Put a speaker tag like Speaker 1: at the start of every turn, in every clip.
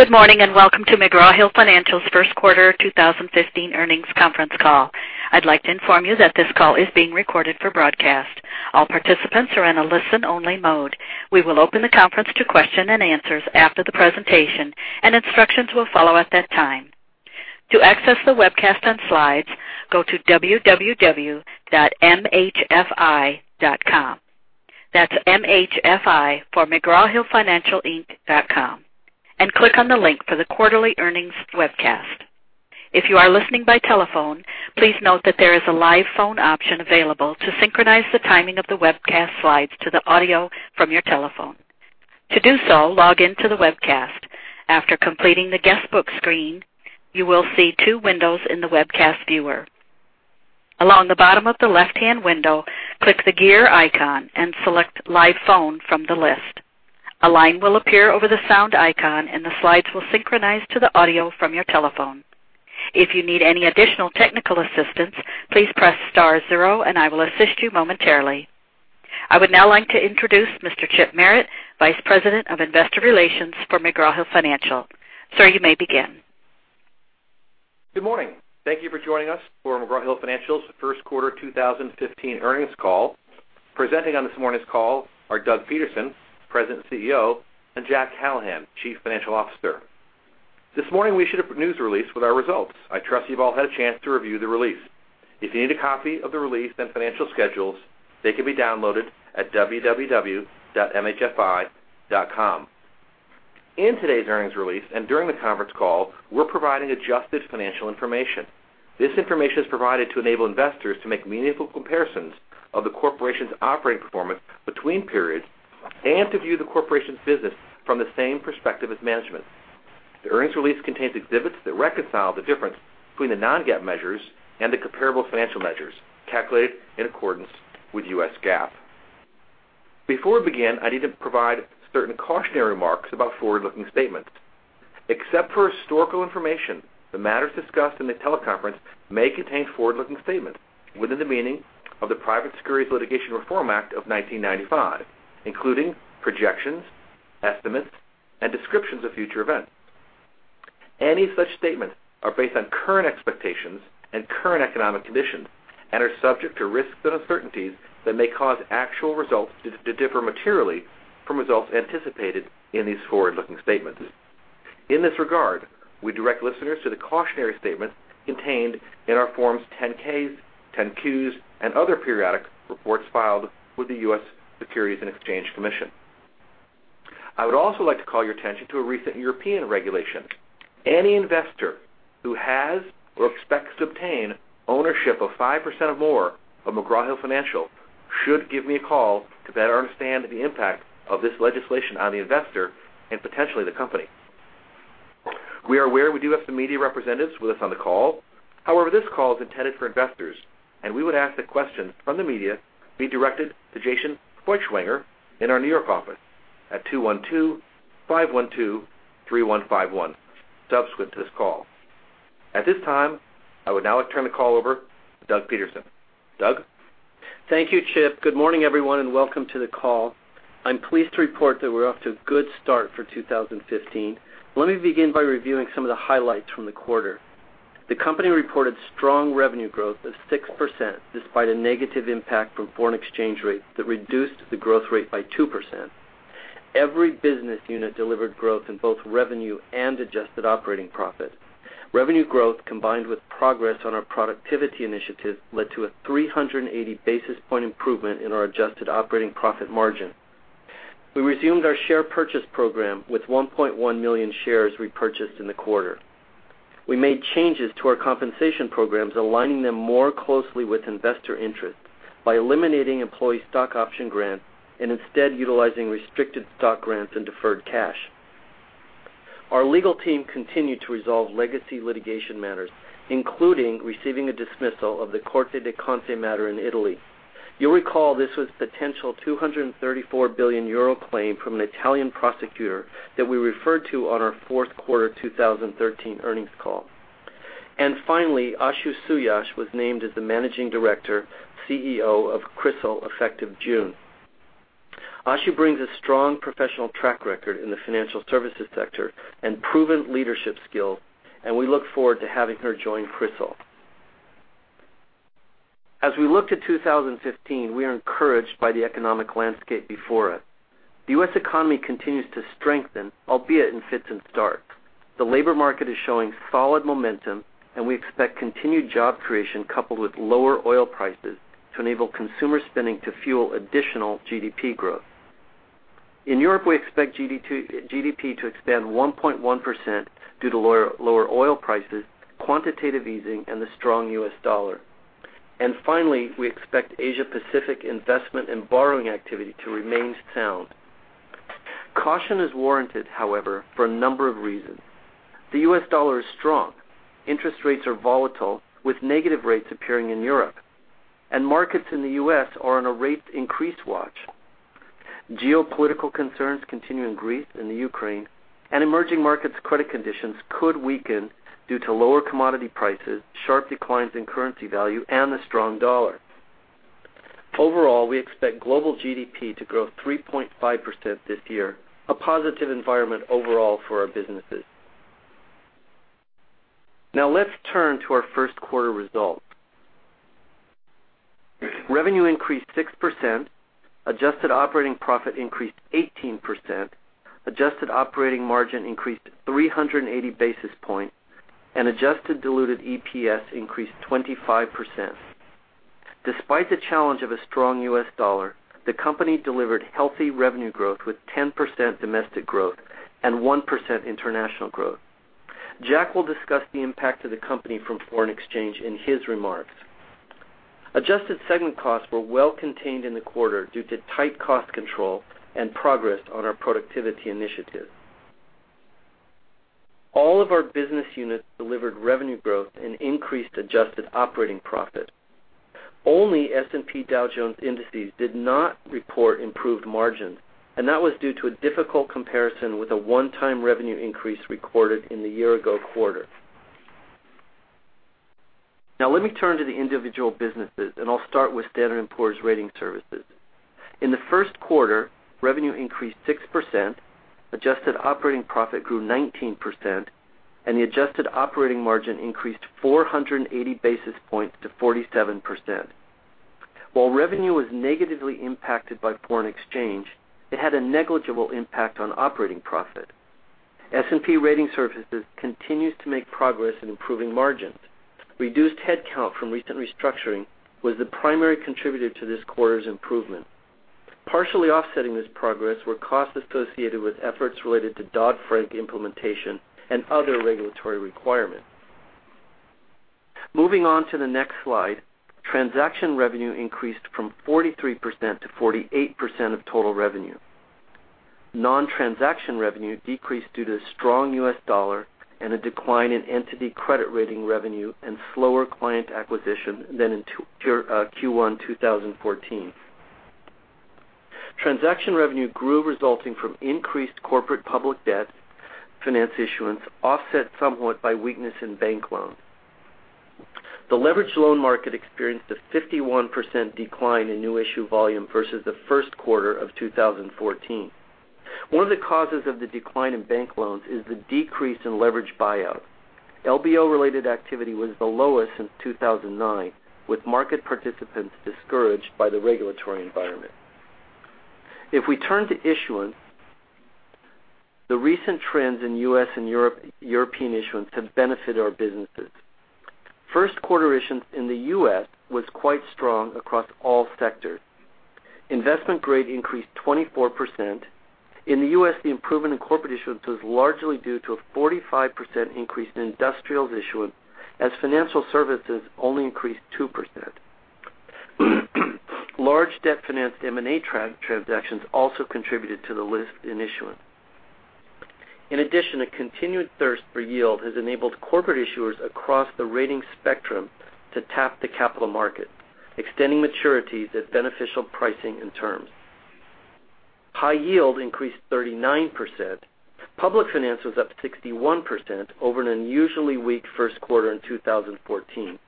Speaker 1: Good morning, welcome to McGraw Hill Financial's first quarter 2015 earnings conference call. I'd like to inform you that this call is being recorded for broadcast. All participants are in a listen-only mode. We will open the conference to questions and answers after the presentation, and instructions will follow at that time. To access the webcast and slides, go to www.mhfi.com. That's M-H-F-I for mcgrawhillfinancialinc.com and click on the link for the quarterly earnings webcast. If you are listening by telephone, please note that there is a live phone option available to synchronize the timing of the webcast slides to the audio from your telephone. To do so, log in to the webcast. After completing the guestbook screen, you will see two windows in the webcast viewer. Along the bottom of the left-hand window, click the gear icon and select Live Phone from the list. A line will appear over the sound icon, and the slides will synchronize to the audio from your telephone. If you need any additional technical assistance, please press star zero and I will assist you momentarily. I would now like to introduce Mr. Chip Merritt, Vice President of Investor Relations for McGraw Hill Financial. Sir, you may begin.
Speaker 2: Good morning. Thank you for joining us for McGraw Hill Financial's first quarter 2015 earnings call. Presenting on this morning's call are Doug Peterson, President and CEO, and Jack Callahan, Chief Financial Officer. This morning, we issued a news release with our results. I trust you've all had a chance to review the release. If you need a copy of the release and financial schedules, they can be downloaded at www.mhfi.com. In today's earnings release and during the conference call, we're providing adjusted financial information. This information is provided to enable investors to make meaningful comparisons of the corporation's operating performance between periods and to view the corporation's business from the same perspective as management. The earnings release contains exhibits that reconcile the difference between the non-GAAP measures and the comparable financial measures calculated in accordance with US GAAP. Before we begin, I need to provide certain cautionary remarks about forward-looking statements. Except for historical information, the matters discussed in the teleconference may contain forward-looking statements within the meaning of the Private Securities Litigation Reform Act of 1995, including projections, estimates, and descriptions of future events. Any such statements are based on current expectations and current economic conditions and are subject to risks and uncertainties that may cause actual results to differ materially from results anticipated in these forward-looking statements. In this regard, we direct listeners to the cautionary statements contained in our Forms 10-Ks, 10-Qs, and other periodic reports filed with the U.S. Securities and Exchange Commission. I would also like to call your attention to a recent European regulation. Any investor who has or expects to obtain ownership of 5% or more of McGraw Hill Financial should give me a call to better understand the impact of this legislation on the investor and potentially the company. We are aware we do have some media representatives with us on the call. However, this call is intended for investors, and we would ask that questions from the media be directed to Jason Feuerstein in our New York office at 212-512-3151 subsequent to this call. At this time, I would now like to turn the call over to Doug Peterson. Doug?
Speaker 3: Thank you, Chip. Good morning, everyone, and welcome to the call. I'm pleased to report that we're off to a good start for 2015. Let me begin by reviewing some of the highlights from the quarter. The company reported strong revenue growth of 6% despite a negative impact from foreign exchange rates that reduced the growth rate by 2%. Every business unit delivered growth in both revenue and adjusted operating profit. Revenue growth, combined with progress on our productivity initiative, led to a 380 basis point improvement in our adjusted operating profit margin. We resumed our share purchase program with 1.1 million shares repurchased in the quarter. We made changes to our compensation programs, aligning them more closely with investor interests by eliminating employee stock option grants and instead utilizing restricted stock grants and deferred cash. Our legal team continued to resolve legacy litigation matters, including receiving a dismissal of the Corte dei Conti matter in Italy. You'll recall this was a potential 234 billion euro claim from an Italian prosecutor that we referred to on our fourth quarter 2013 earnings call. Finally, Ashu Suyash was named as the managing director, CEO of CRISIL effective June. Ashu brings a strong professional track record in the financial services sector and proven leadership skills, we look forward to having her join CRISIL. As we look to 2015, we are encouraged by the economic landscape before us. The U.S. economy continues to strengthen, albeit in fits and starts. The labor market is showing solid momentum, we expect continued job creation coupled with lower oil prices to enable consumer spending to fuel additional GDP growth. In Europe, we expect GDP to expand 1.1% due to lower oil prices, quantitative easing, and the strong U.S. dollar. Finally, we expect Asia-Pacific investment and borrowing activity to remain sound. Caution is warranted, however, for a number of reasons. The U.S. dollar is strong. Interest rates are volatile, with negative rates appearing in Europe. Markets in the U.S. are on a rate increase watch. Geopolitical concerns continue in Greece and the Ukraine, emerging markets' credit conditions could weaken due to lower commodity prices, sharp declines in currency value, and the strong dollar. Overall, we expect global GDP to grow 3.5% this year, a positive environment overall for our businesses. Let's turn to our first quarter results. Revenue increased 6%, adjusted operating profit increased 18%, adjusted operating margin increased 380 basis points, adjusted diluted EPS increased 25%. Despite the challenge of a strong U.S. dollar, the company delivered healthy revenue growth with 10% domestic growth and 1% international growth. Jack will discuss the impact to the company from foreign exchange in his remarks. Adjusted segment costs were well contained in the quarter due to tight cost control and progress on our productivity initiative. All of our business units delivered revenue growth and increased adjusted operating profit. Only S&P Dow Jones Indices did not report improved margins, that was due to a difficult comparison with a one-time revenue increase recorded in the year-ago quarter. Let me turn to the individual businesses, I'll start with Standard & Poor's Ratings Services. In the first quarter, revenue increased 6%, adjusted operating profit grew 19%, and the adjusted operating margin increased 480 basis points to 47%. While revenue was negatively impacted by foreign exchange, it had a negligible impact on operating profit. S&P Ratings Services continues to make progress in improving margins. Reduced headcount from recent restructuring was the primary contributor to this quarter's improvement. Partially offsetting this progress were costs associated with efforts related to Dodd-Frank implementation and other regulatory requirements. Moving on to the next slide, transaction revenue increased from 43% to 48% of total revenue. Non-transaction revenue decreased due to the strong U.S. dollar and a decline in entity credit rating revenue and slower client acquisition than in Q1 2014. Transaction revenue grew, resulting from increased corporate public debt finance issuance, offset somewhat by weakness in bank loans. The leveraged loan market experienced a 51% decline in new issue volume versus the first quarter of 2014. One of the causes of the decline in bank loans is the decrease in leveraged buyout. LBO-related activity was the lowest since 2009, with market participants discouraged by the regulatory environment. We turn to issuance, the recent trends in U.S. and European issuance have benefited our businesses. First quarter issuance in the U.S. was quite strong across all sectors. Investment grade increased 24%. In the U.S., the improvement in corporate issuance was largely due to a 45% increase in industrials issuance as financial services only increased 2%. Large debt-financed M&A transactions also contributed to the lift in issuance. In addition, a continued thirst for yield has enabled corporate issuers across the rating spectrum to tap the capital markets, extending maturities at beneficial pricing and terms. High yield increased 39%. Public finance was up 61% over an unusually weak first quarter in 2014.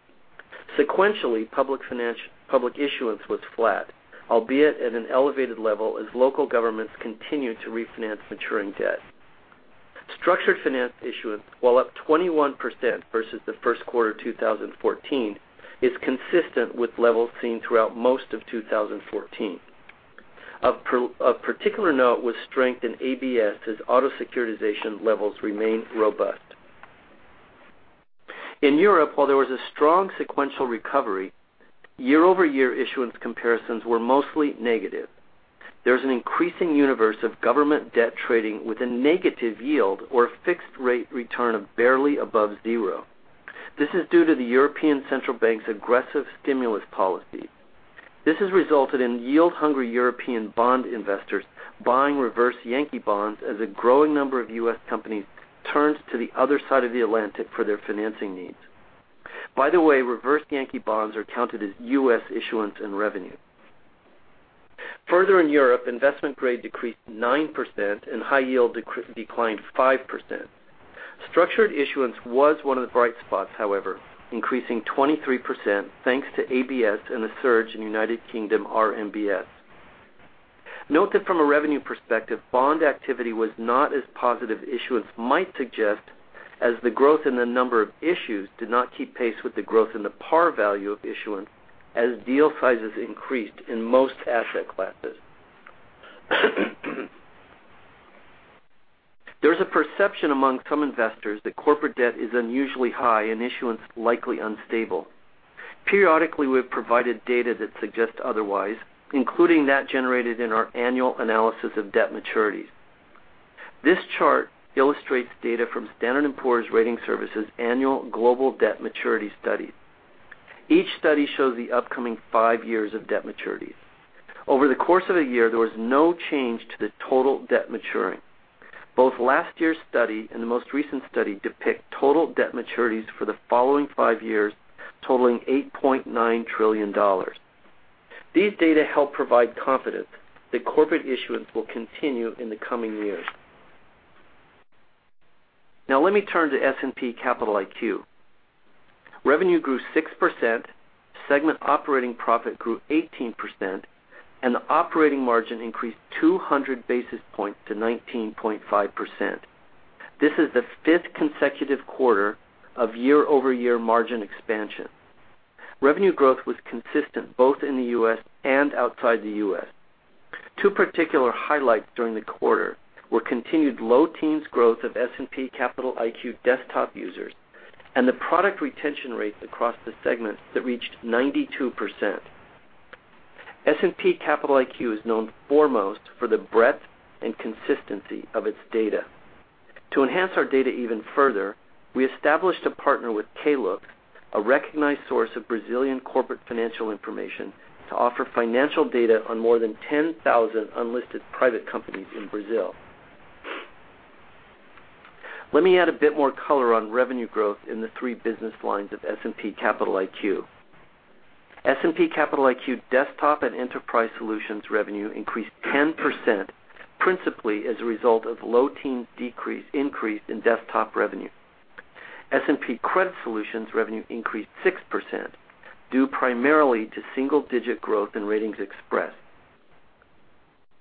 Speaker 3: Sequentially, public issuance was flat, albeit at an elevated level as local governments continued to refinance maturing debt. Structured finance issuance, while up 21% versus the first quarter 2014, is consistent with levels seen throughout most of 2014. Of particular note was strength in ABS as auto securitization levels remain robust. In Europe, while there was a strong sequential recovery, year-over-year issuance comparisons were mostly negative. There is an increasing universe of government debt trading with a negative yield or a fixed rate return of barely above zero. This is due to the European Central Bank's aggressive stimulus policy. This has resulted in yield-hungry European bond investors buying reverse Yankee bonds as a growing number of U.S. companies turns to the other side of the Atlantic for their financing needs. By the way, reverse Yankee bonds are counted as U.S. issuance and revenue. In Europe, investment grade decreased 9% and high yield declined 5%. Structured issuance was one of the bright spots, however, increasing 23% thanks to ABS and the surge in U.K. RMBS. Note that from a revenue perspective, bond activity was not as positive issuance might suggest as the growth in the number of issues did not keep pace with the growth in the par value of issuance as deal sizes increased in most asset classes. There is a perception among some investors that corporate debt is unusually high and issuance likely unstable. Periodically, we have provided data that suggests otherwise, including that generated in our annual analysis of debt maturities. This chart illustrates data from Standard & Poor's Ratings Services Annual Global Debt Maturity Study. Each study shows the upcoming five years of debt maturities. Over the course of one year, there was no change to the total debt maturing. Both last year's study and the most recent study depict total debt maturities for the following five years totaling $8.9 trillion. These data help provide confidence that corporate issuance will continue in the coming years. Let me turn to S&P Capital IQ. Revenue grew 6%, segment operating profit grew 18%, and the operating margin increased 200 basis points to 19.5%. This is the fifth consecutive quarter of year-over-year margin expansion. Revenue growth was consistent both in the U.S. and outside the U.S. Two particular highlights during the quarter were continued low teens growth of S&P Capital IQ desktop users and the product retention rates across the segments that reached 92%. S&P Capital IQ is known foremost for the breadth and consistency of its data. To enhance our data even further, we established a partner with [KLook], a recognized source of Brazilian corporate financial information, to offer financial data on more than 10,000 unlisted private companies in Brazil. Let me add a bit more color on revenue growth in the three business lines of S&P Capital IQ. S&P Capital IQ desktop and enterprise solutions revenue increased 10%, principally as a result of low teen increase in desktop revenue. S&P Credit Solutions revenue increased 6%, due primarily to single-digit growth in RatingsXpress.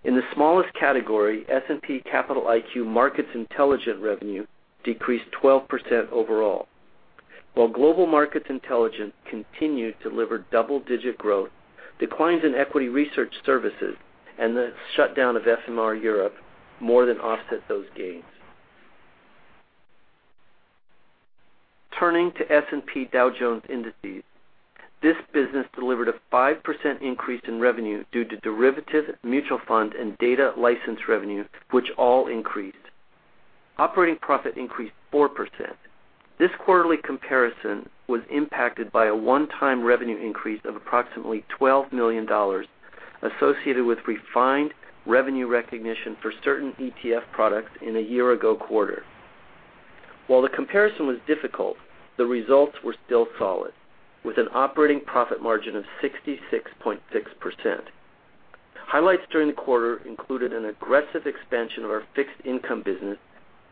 Speaker 3: In the smallest category, S&P Capital IQ Markets Intelligence revenue decreased 12% overall. While Global Markets Intelligence continued to deliver double-digit growth, declines in equity research services and the shutdown of FMR Europe more than offset those gains. We turn to the key business drivers, the ETF industry experienced record first quarter inflows of $97 billion. However, much of this was directed to non-U.S. ETFs, where our position is not as strong as the U.S. In the long run, this is still positive. Turning to S&P Dow Jones Indices, this business delivered a 5% increase in revenue due to derivative, mutual fund, and data license revenue, which all increased. Operating profit increased 4%. This quarterly comparison was impacted by a one-time revenue increase of approximately $12 million associated with refined revenue recognition for certain ETF products in a year-ago quarter. While the comparison was difficult, the results were still solid, with an operating profit margin of 66.6%. Highlights during the quarter included an aggressive expansion of our fixed income business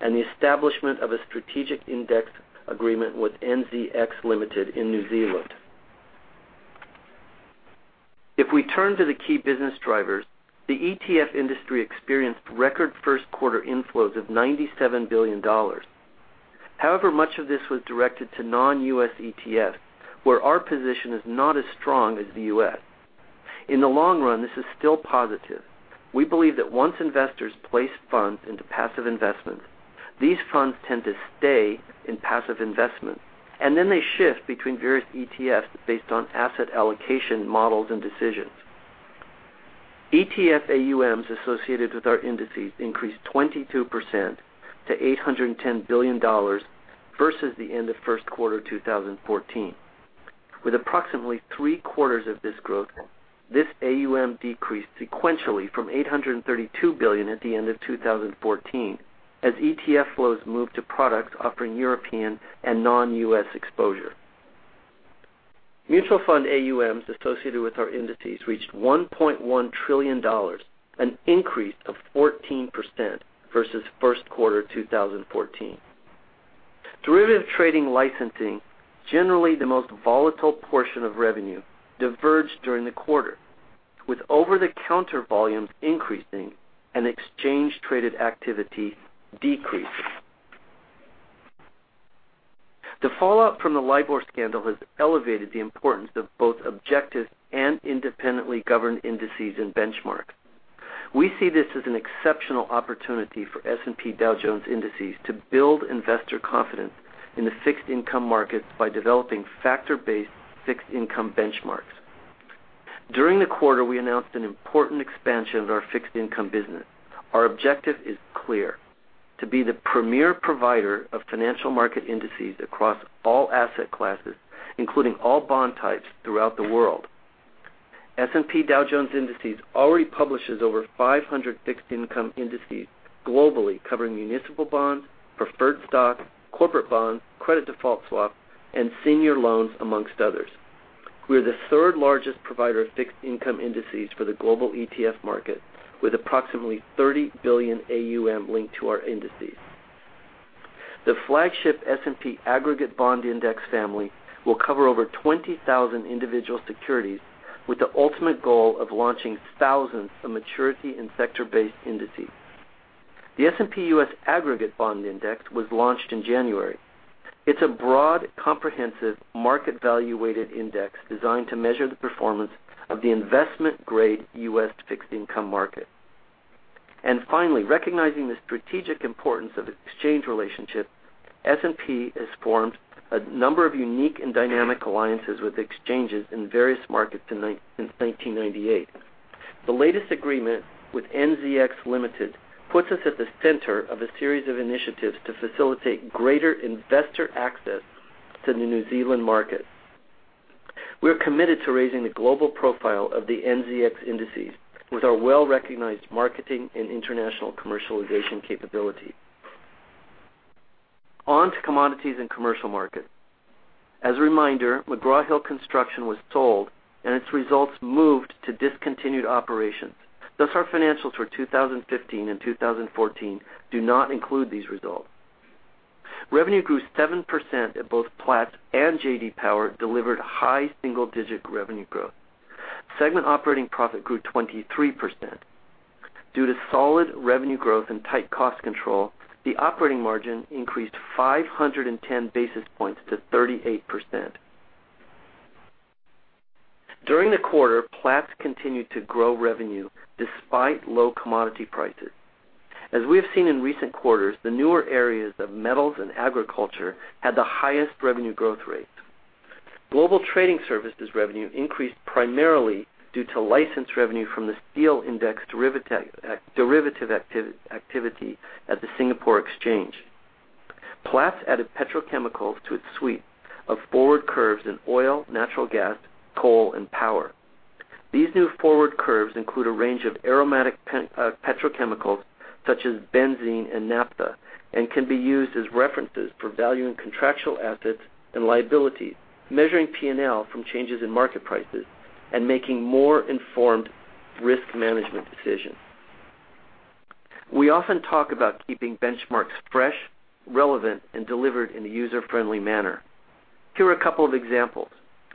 Speaker 3: and the establishment of a strategic index agreement with NZX Limited in New Zealand. We believe that once investors place funds into passive investments, these funds tend to stay in passive investments, then they shift between various ETFs based on asset allocation models and decisions. ETF AUMs associated with our indices increased 22% to $810 billion versus the end of first quarter 2014. With approximately three-quarters of this growth, this AUM decreased sequentially from $832 billion at the end of 2014, as ETF flows moved to products offering European and non-U.S. exposure. Mutual fund AUMs associated with our indices reached $1.1 trillion, an increase of 14% versus first quarter 2014. Derivative trading licensing, generally the most volatile portion of revenue, diverged during the quarter, with over-the-counter volumes increasing and exchange traded activity decreasing. The fallout from the LIBOR scandal has elevated the importance of both objective and independently governed indices and benchmarks. We see this as an exceptional opportunity for S&P Dow Jones Indices to build investor confidence in the fixed income markets by developing factor-based fixed income benchmarks. During the quarter, we announced an important expansion of our fixed income business. Our objective is clear: to be the premier provider of financial market indices across all asset classes, including all bond types throughout the world. S&P Dow Jones Indices already publishes over 500 fixed income indices globally, covering municipal bonds, preferred stocks, corporate bonds, credit default swaps, and senior loans, amongst others. We are the third largest provider of fixed income indices for the global ETF market, with approximately $30 billion AUM linked to our indices. The flagship S&P Aggregate Bond Index family will cover over 20,000 individual securities, with the ultimate goal of launching thousands of maturity and sector-based indices. The S&P U.S. Aggregate Bond Index was launched in January. It's a broad, comprehensive, market value-weighted index designed to measure the performance of the investment-grade U.S. fixed income market. Finally, recognizing the strategic importance of exchange relationships, S&P has formed a number of unique and dynamic alliances with exchanges in various markets since 1998. The latest agreement with NZX Limited puts us at the center of a series of initiatives to facilitate greater investor access to the New Zealand market. We are committed to raising the global profile of the NZX indices with our well-recognized marketing and international commercialization capability. On to commodities and commercial markets. As a reminder, McGraw Hill Construction was sold, and its results moved to discontinued operations. Thus, our financials for 2015 and 2014 do not include these results. Revenue grew 7% at both Platts and J.D. Power delivered high single-digit revenue growth. Segment operating profit grew 23%. Due to solid revenue growth and tight cost control, the operating margin increased 510 basis points to 38%. During the quarter, Platts continued to grow revenue despite low commodity prices. As we have seen in recent quarters, the newer areas of metals and agriculture had the highest revenue growth rates. Global trading services revenue increased primarily due to license revenue from the steel index derivative activity at the Singapore Exchange. Platts added petrochemicals to its suite of forward curves in oil, natural gas, coal, and power. These new forward curves include a range of aromatic petrochemicals such as benzene and naphtha and can be used as references for valuing contractual assets and liabilities, measuring P&L from changes in market prices, and making more informed risk management decisions. We often talk about keeping benchmarks fresh, relevant, and delivered in a user-friendly manner. Here are a couple of examples.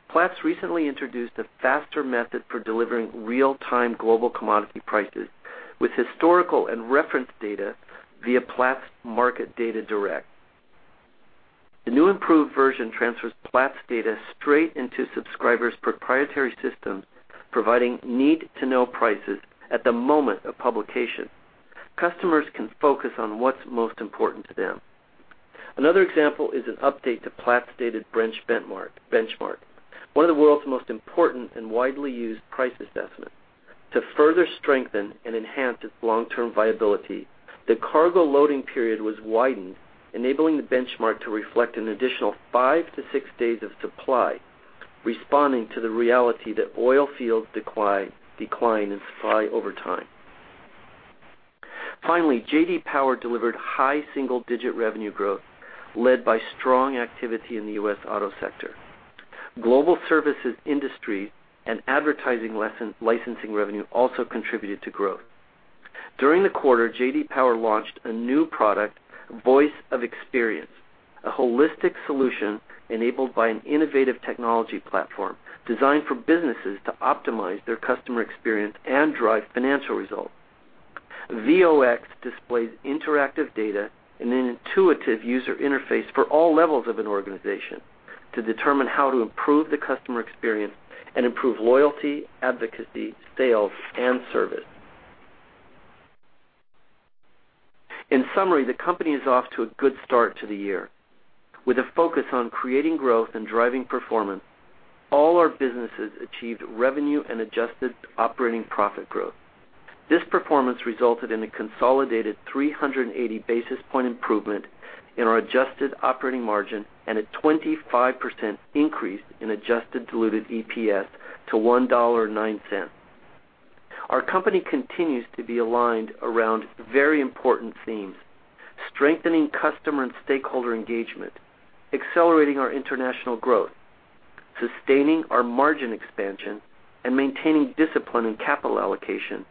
Speaker 3: Platts recently introduced a faster method for delivering real-time global commodity prices with historical and reference data via Platts Market Data Direct. The new improved version transfers Platts data straight into subscribers' proprietary systems, providing need to know prices at the moment of publication. Customers can focus on what's most important to them. Another example is an update to Platts' dated benchmark, one of the world's most important and widely used price assessments. To further strengthen and enhance its long-term viability, the cargo loading period was widened, enabling the benchmark to reflect an additional five to six days of supply, responding to the reality that oil fields decline in supply over time. Finally, J.D. Power delivered high single-digit revenue growth led by strong activity in the U.S. auto sector. Global services industry and advertising licensing revenue also contributed to growth. During the quarter, J.D. Power launched a new product, Voice of the Experience, a holistic solution enabled by an innovative technology platform designed for businesses to optimize their customer experience and drive financial results. VOX displays interactive data in an intuitive user interface for all levels of an organization to determine how to improve the customer experience and improve loyalty, advocacy, sales, and service. In summary, the company is off to a good start to the year. With a focus on creating growth and driving performance, all our businesses achieved revenue and adjusted operating profit growth. This performance resulted in a consolidated 380 basis point improvement in our adjusted operating margin and a 25% increase in adjusted diluted EPS to $1.09. Our company continues to be aligned around very important themes, strengthening customer and stakeholder engagement, accelerating our international growth, sustaining our margin expansion, and maintaining discipline in capital allocation,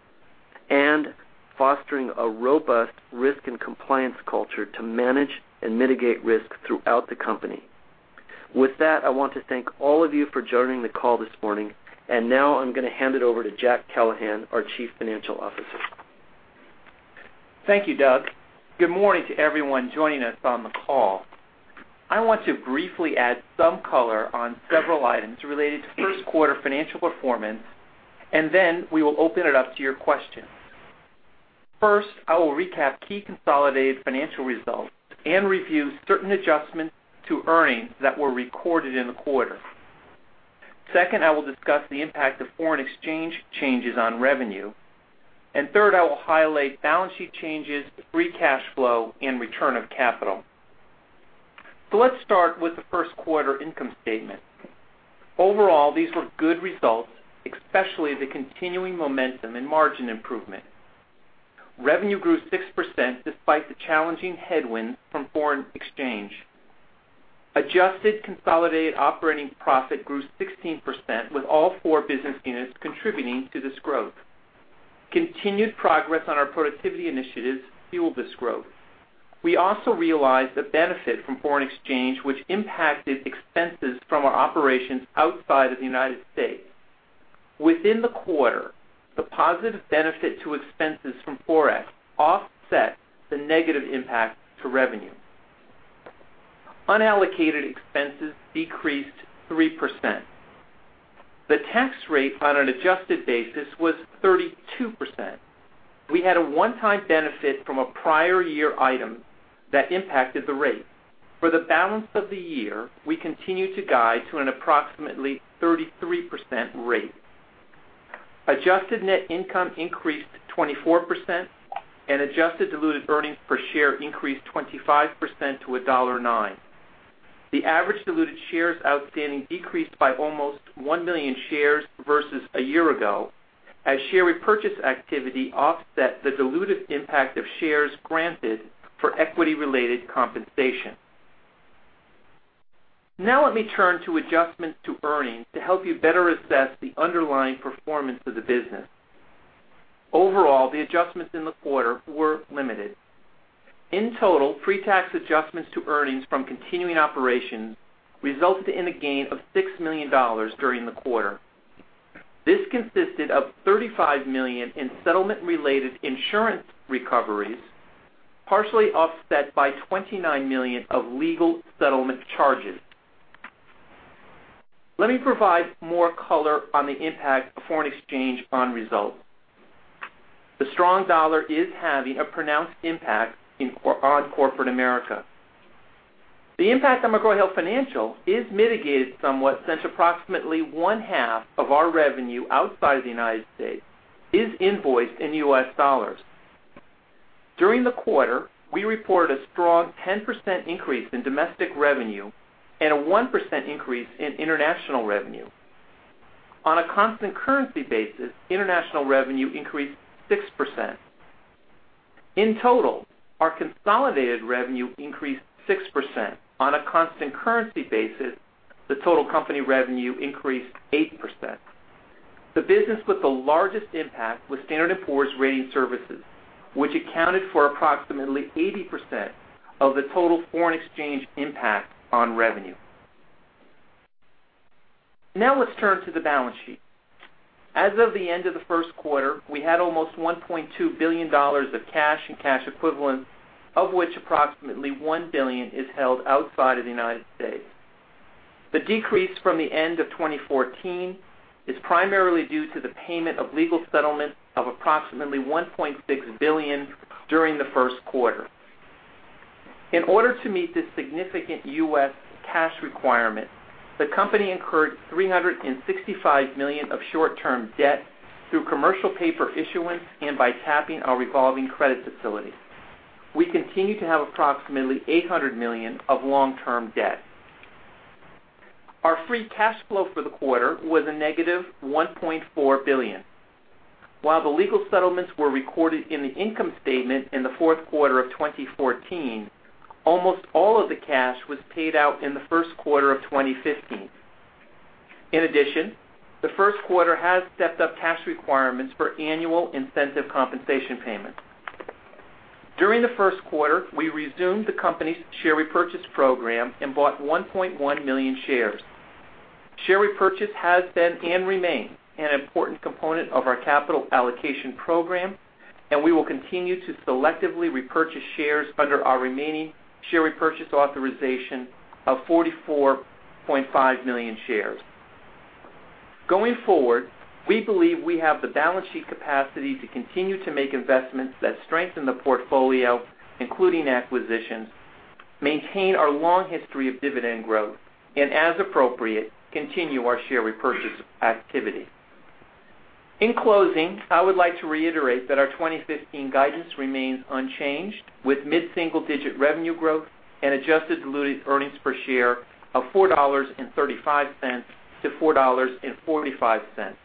Speaker 3: and fostering a robust risk and compliance culture to manage and mitigate risk throughout the company. With that, I want to thank all of you for joining the call this morning. Now I'm going to hand it over to Jack Callahan, our Chief Financial Officer.
Speaker 4: Thank you, Doug. Good morning to everyone joining us on the call. I want to briefly add some color on several items related to first quarter financial performance, then we will open it up to your questions. First, I will recap key consolidated financial results and review certain adjustments to earnings that were recorded in the quarter. Second, I will discuss the impact of foreign exchange changes on revenue. Third, I will highlight balance sheet changes, free cash flow, and return of capital. Let's start with the first quarter income statement. Overall, these were good results, especially the continuing momentum in margin improvement. Revenue grew 6% despite the challenging headwinds from foreign exchange. Adjusted consolidated operating profit grew 16%, with all four business units contributing to this growth. Continued progress on our productivity initiatives fueled this growth. We also realized the benefit from foreign exchange, which impacted expenses from our operations outside of the U.S. Within the quarter, the positive benefit to expenses from Forex offset the negative impact to revenue. Unallocated expenses decreased 3%. The tax rate on an adjusted basis was 32%. We had a one-time benefit from a prior year item that impacted the rate. For the balance of the year, we continue to guide to an approximately 33% rate. Adjusted net income increased 24%, and adjusted diluted earnings per share increased 25% to $1.09. The average diluted shares outstanding decreased by almost 1 million shares versus a year ago. As share repurchase activity offset the dilutive impact of shares granted for equity-related compensation. Let me turn to adjustments to earnings to help you better assess the underlying performance of the business. Overall, the adjustments in the quarter were limited. In total, pre-tax adjustments to earnings from continuing operations resulted in a gain of $6 million during the quarter. This consisted of $35 million in settlement-related insurance recoveries, partially offset by $29 million of legal settlement charges. Let me provide more color on the impact of foreign exchange on results. The strong dollar is having a pronounced impact on corporate America. The impact on McGraw Hill Financial is mitigated somewhat since approximately one half of our revenue outside of the U.S. is invoiced in U.S. dollars. During the quarter, we reported a strong 10% increase in domestic revenue and a 1% increase in international revenue. On a constant currency basis, international revenue increased 6%. In total, our consolidated revenue increased 6%. On a constant currency basis, the total company revenue increased 8%. The business with the largest impact was Standard & Poor's Ratings Services, which accounted for approximately 80% of the total foreign exchange impact on revenue. Let's turn to the balance sheet. As of the end of the first quarter, we had almost $1.2 billion of cash and cash equivalents, of which approximately $1 billion is held outside of the U.S. The decrease from the end of 2014 is primarily due to the payment of legal settlement of approximately $1.6 billion during the first quarter. In order to meet this significant U.S. cash requirement, the company incurred $365 million of short-term debt through commercial paper issuance and by tapping our revolving credit facility. We continue to have approximately $800 million of long-term debt. Our free cash flow for the quarter was a negative $1.4 billion. While the legal settlements were recorded in the income statement in the fourth quarter of 2014, almost all of the cash was paid out in the first quarter of 2015. In addition, the first quarter has stepped-up cash requirements for annual incentive compensation payments. During the first quarter, we resumed the company's share repurchase program and bought 1.1 million shares. Share repurchase has been and remains an important component of our capital allocation program, and we will continue to selectively repurchase shares under our remaining share repurchase authorization of 44.5 million shares. Going forward, we believe we have the balance sheet capacity to continue to make investments that strengthen the portfolio, including acquisitions, maintain our long history of dividend growth, and, as appropriate, continue our share repurchase activity. In closing, I would like to reiterate that our 2015 guidance remains unchanged, with mid-single-digit revenue growth and adjusted diluted earnings per share of $4.35-$4.45.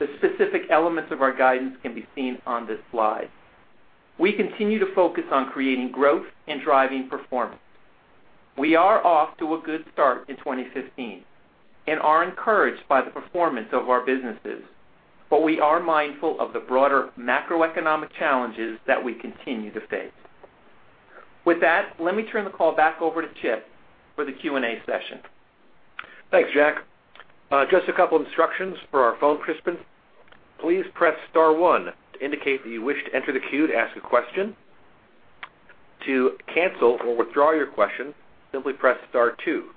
Speaker 4: The specific elements of our guidance can be seen on this slide. We continue to focus on creating growth and driving performance. We are off to a good start in 2015 and are encouraged by the performance of our businesses, but we are mindful of the broader macroeconomic challenges that we continue to face. With that, let me turn the call back over to Chip for the Q&A session.
Speaker 2: Thanks, Jack. Just a couple instructions for our phone participants. Please press star one to indicate that you wish to enter the queue to ask a question. To cancel or withdraw your question, simply press star two.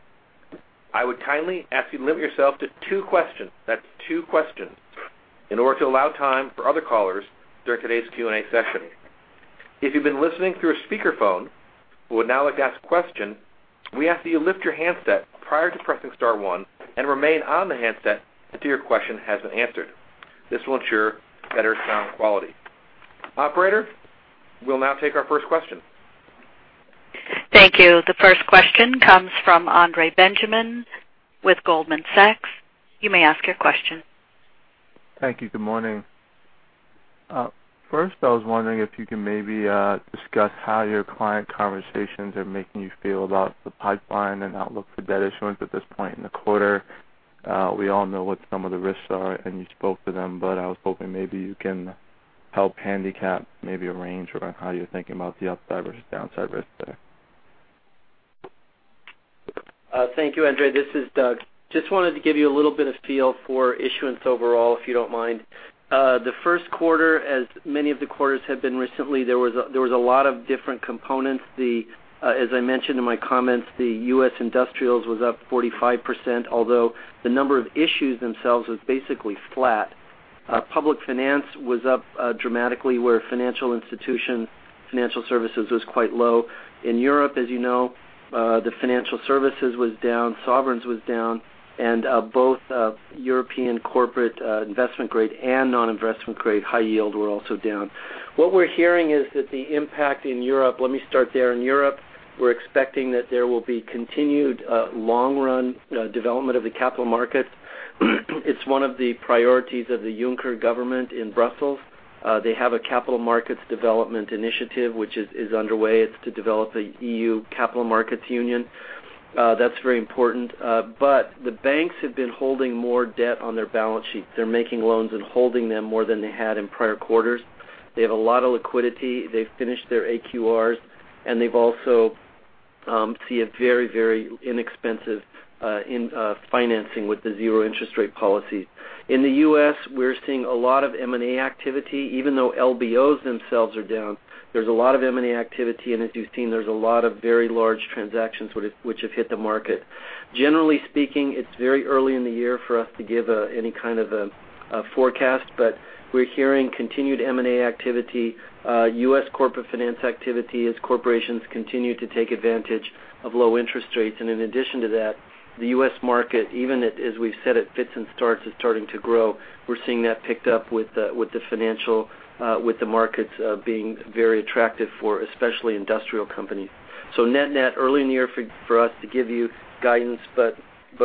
Speaker 2: I would kindly ask you to limit yourself to two questions. That's two questions. In order to allow time for other callers during today's Q&A session. If you've been listening through a speakerphone but would now like to ask a question, we ask that you lift your handset prior to pressing star one and remain on the handset until your question has been answered. This will ensure better sound quality. Operator, we'll now take our first question.
Speaker 1: Thank you. The first question comes from Andre Benjamin with Goldman Sachs. You may ask your question.
Speaker 5: Thank you. Good morning. First, I was wondering if you can maybe discuss how your client conversations are making you feel about the pipeline and outlook for debt issuance at this point in the quarter. We all know what some of the risks are, and you spoke to them, but I was hoping maybe you can help handicap maybe a range around how you're thinking about the upside versus downside risk there.
Speaker 3: Thank you, Andre. This is Doug. Just wanted to give you a little bit of feel for issuance overall, if you don't mind. The first quarter, as many of the quarters have been recently, there was a lot of different components. As I mentioned in my comments, the U.S. industrials was up 45%, although the number of issues themselves was basically flat. Public finance was up dramatically where financial institution, financial services was quite low. In Europe, as you know, the financial services was down, sovereigns was down, and both European corporate investment grade and non-investment grade high yield were also down. What we're hearing is that the impact in Europe, let me start there. In Europe, we're expecting that there will be continued long-run development of the capital markets. It's one of the priorities of the Juncker government in Brussels. They have a capital markets development initiative, which is underway. It's to develop a EU capital markets union. That's very important. The banks have been holding more debt on their balance sheets. They're making loans and holding them more than they had in prior quarters. They have a lot of liquidity. They've finished their AQR, and they also see a very inexpensive in financing with the zero interest rate policy. In the U.S., we're seeing a lot of M&A activity, even though LBOs themselves are down. There's a lot of M&A activity, and as you've seen, there's a lot of very large transactions which have hit the market. Generally speaking, it's very early in the year for us to give any kind of a forecast. We're hearing continued M&A activity, U.S. corporate finance activity as corporations continue to take advantage of low interest rates. In addition to that, the U.S. market, even as we've said, it fits and starts, is starting to grow. We're seeing that picked up with the markets being very attractive for especially industrial companies. Net early in the year for us to give you guidance, but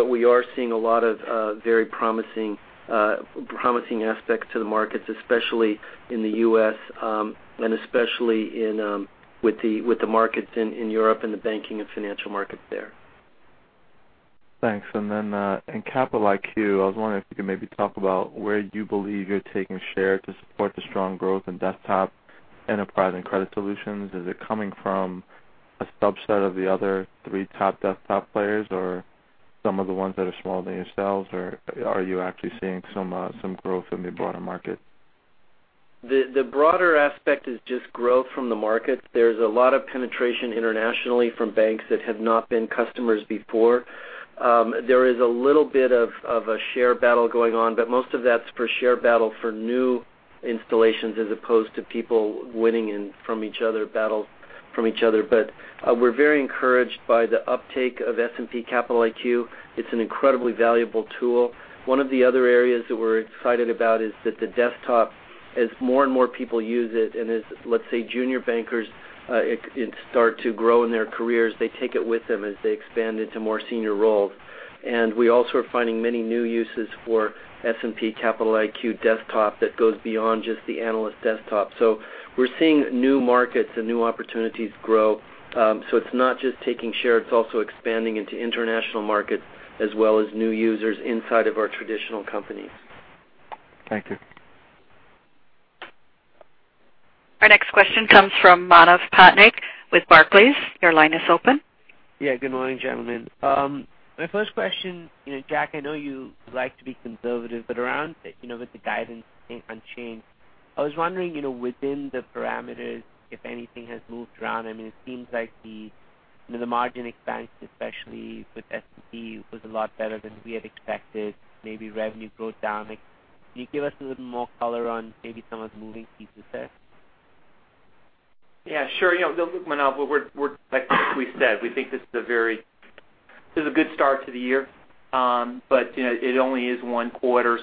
Speaker 3: we are seeing a lot of very promising aspects to the markets, especially in the U.S., and especially with the markets in Europe and the banking and financial markets there.
Speaker 5: Thanks. Then, in Capital IQ, I was wondering if you could maybe talk about where you believe you're taking share to support the strong growth in desktop, enterprise, and credit solutions. Is it coming from a subset of the other three top desktop players, or some of the ones that are smaller than yourselves, or are you actually seeing some growth in the broader market?
Speaker 3: The broader aspect is just growth from the markets. There's a lot of penetration internationally from banks that have not been customers before. There is a little bit of a share battle going on, but most of that's for share battle for new installations as opposed to people winning and from each other, battle from each other. We're very encouraged by the uptake of S&P Capital IQ. It's an incredibly valuable tool. One of the other areas that we're excited about is that the desktop, as more and more people use it, and as let's say junior bankers start to grow in their careers, they take it with them as they expand into more senior roles. We also are finding many new uses for S&P Capital IQ desktop that goes beyond just the analyst desktop. We're seeing new markets and new opportunities grow. It's not just taking share, it's also expanding into international markets as well as new users inside of our traditional companies.
Speaker 5: Thank you.
Speaker 1: Our next question comes from Manav Patnaik with Barclays. Your line is open.
Speaker 6: Yeah, good morning, gentlemen. My first question, Jack, I know you like to be conservative, but around with the guidance and change, I was wondering, within the parameters, if anything has moved around. It seems like the margin expands, especially with S&P, was a lot better than we had expected, maybe revenue growth down. Can you give us a little more color on maybe some of the moving pieces there?
Speaker 4: Yeah, sure. Manav, like we said, we think this is a good start to the year. It only is one quarter,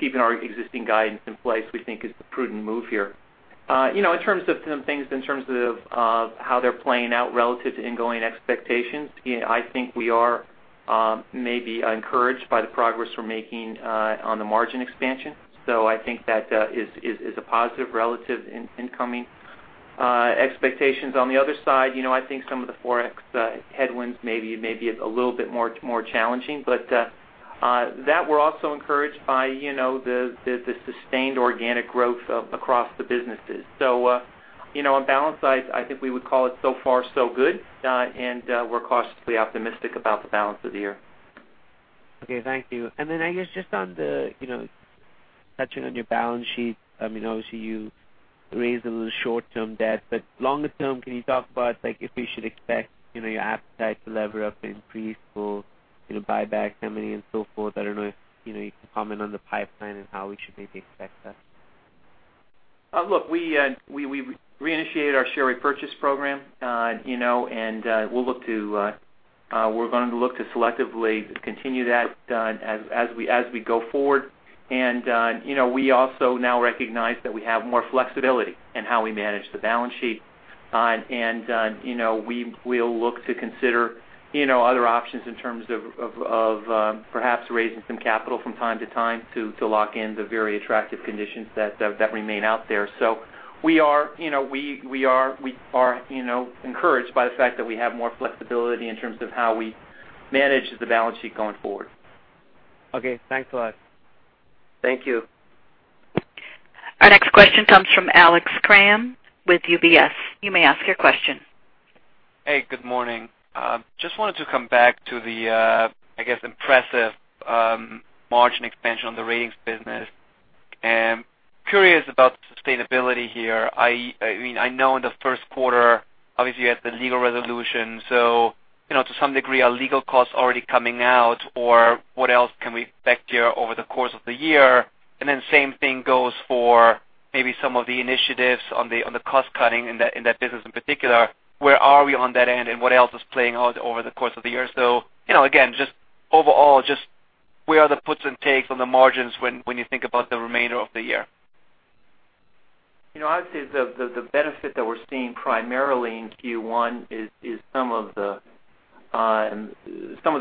Speaker 4: keeping our existing guidance in place we think is the prudent move here. In terms of some things, in terms of how they're playing out relative to incoming expectations, I think we are maybe encouraged by the progress we're making on the margin expansion. I think that is a positive relative to incoming expectations. On the other side, I think some of the Forex headwinds may be a little bit more challenging. That we're also encouraged by the sustained organic growth across the businesses. On balance, I think we would call it so far so good, and we're cautiously optimistic about the balance of the year.
Speaker 6: Okay, thank you. I guess just touching on your balance sheet, obviously you raised a little short-term debt, but longer term, can you talk about if we should expect your appetite to lever up, increase, or buybacks, how many, and so forth? I don't know if you can comment on the pipeline and how we should maybe expect that.
Speaker 4: Look, we reinitiated our share repurchase program, we're going to look to selectively continue that as we go forward. We also now recognize that we have more flexibility in how we manage the balance sheet. We'll look to consider other options in terms of perhaps raising some capital from time to time to lock in the very attractive conditions that remain out there. We are encouraged by the fact that we have more flexibility in terms of how we manage the balance sheet going forward.
Speaker 6: Okay, thanks a lot.
Speaker 3: Thank you.
Speaker 1: Our next question comes from Alex Kramm with UBS. You may ask your question.
Speaker 7: Hey, good morning. Just wanted to come back to the, I guess, impressive margin expansion on the ratings business. Curious about the sustainability here. I know in the first quarter, obviously you had the legal resolution, so to some degree, are legal costs already coming out, or what else can we expect here over the course of the year? Same thing goes for maybe some of the initiatives on the cost cutting in that business in particular. Where are we on that end, and what else is playing out over the course of the year? Again, just overall, just where are the puts and takes on the margins when you think about the remainder of the year?
Speaker 4: I would say the benefit that we're seeing primarily in Q1 is some of the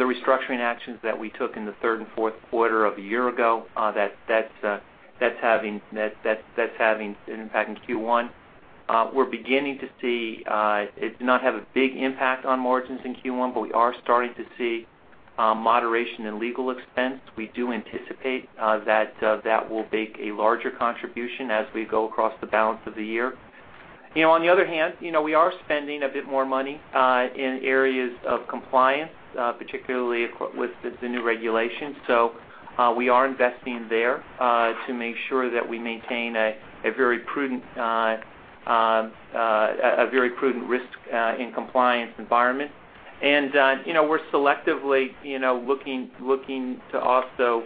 Speaker 4: restructuring actions that we took in the third and fourth quarter of a year ago. That's having an impact in Q1. We're beginning to see it not have a big impact on margins in Q1, but we are starting to see moderation in legal expense. We do anticipate that will make a larger contribution as we go across the balance of the year. On the other hand, we are spending a bit more money in areas of compliance, particularly with the new regulations. We are investing there to make sure that we maintain a very prudent risk in compliance environment. We're selectively looking to also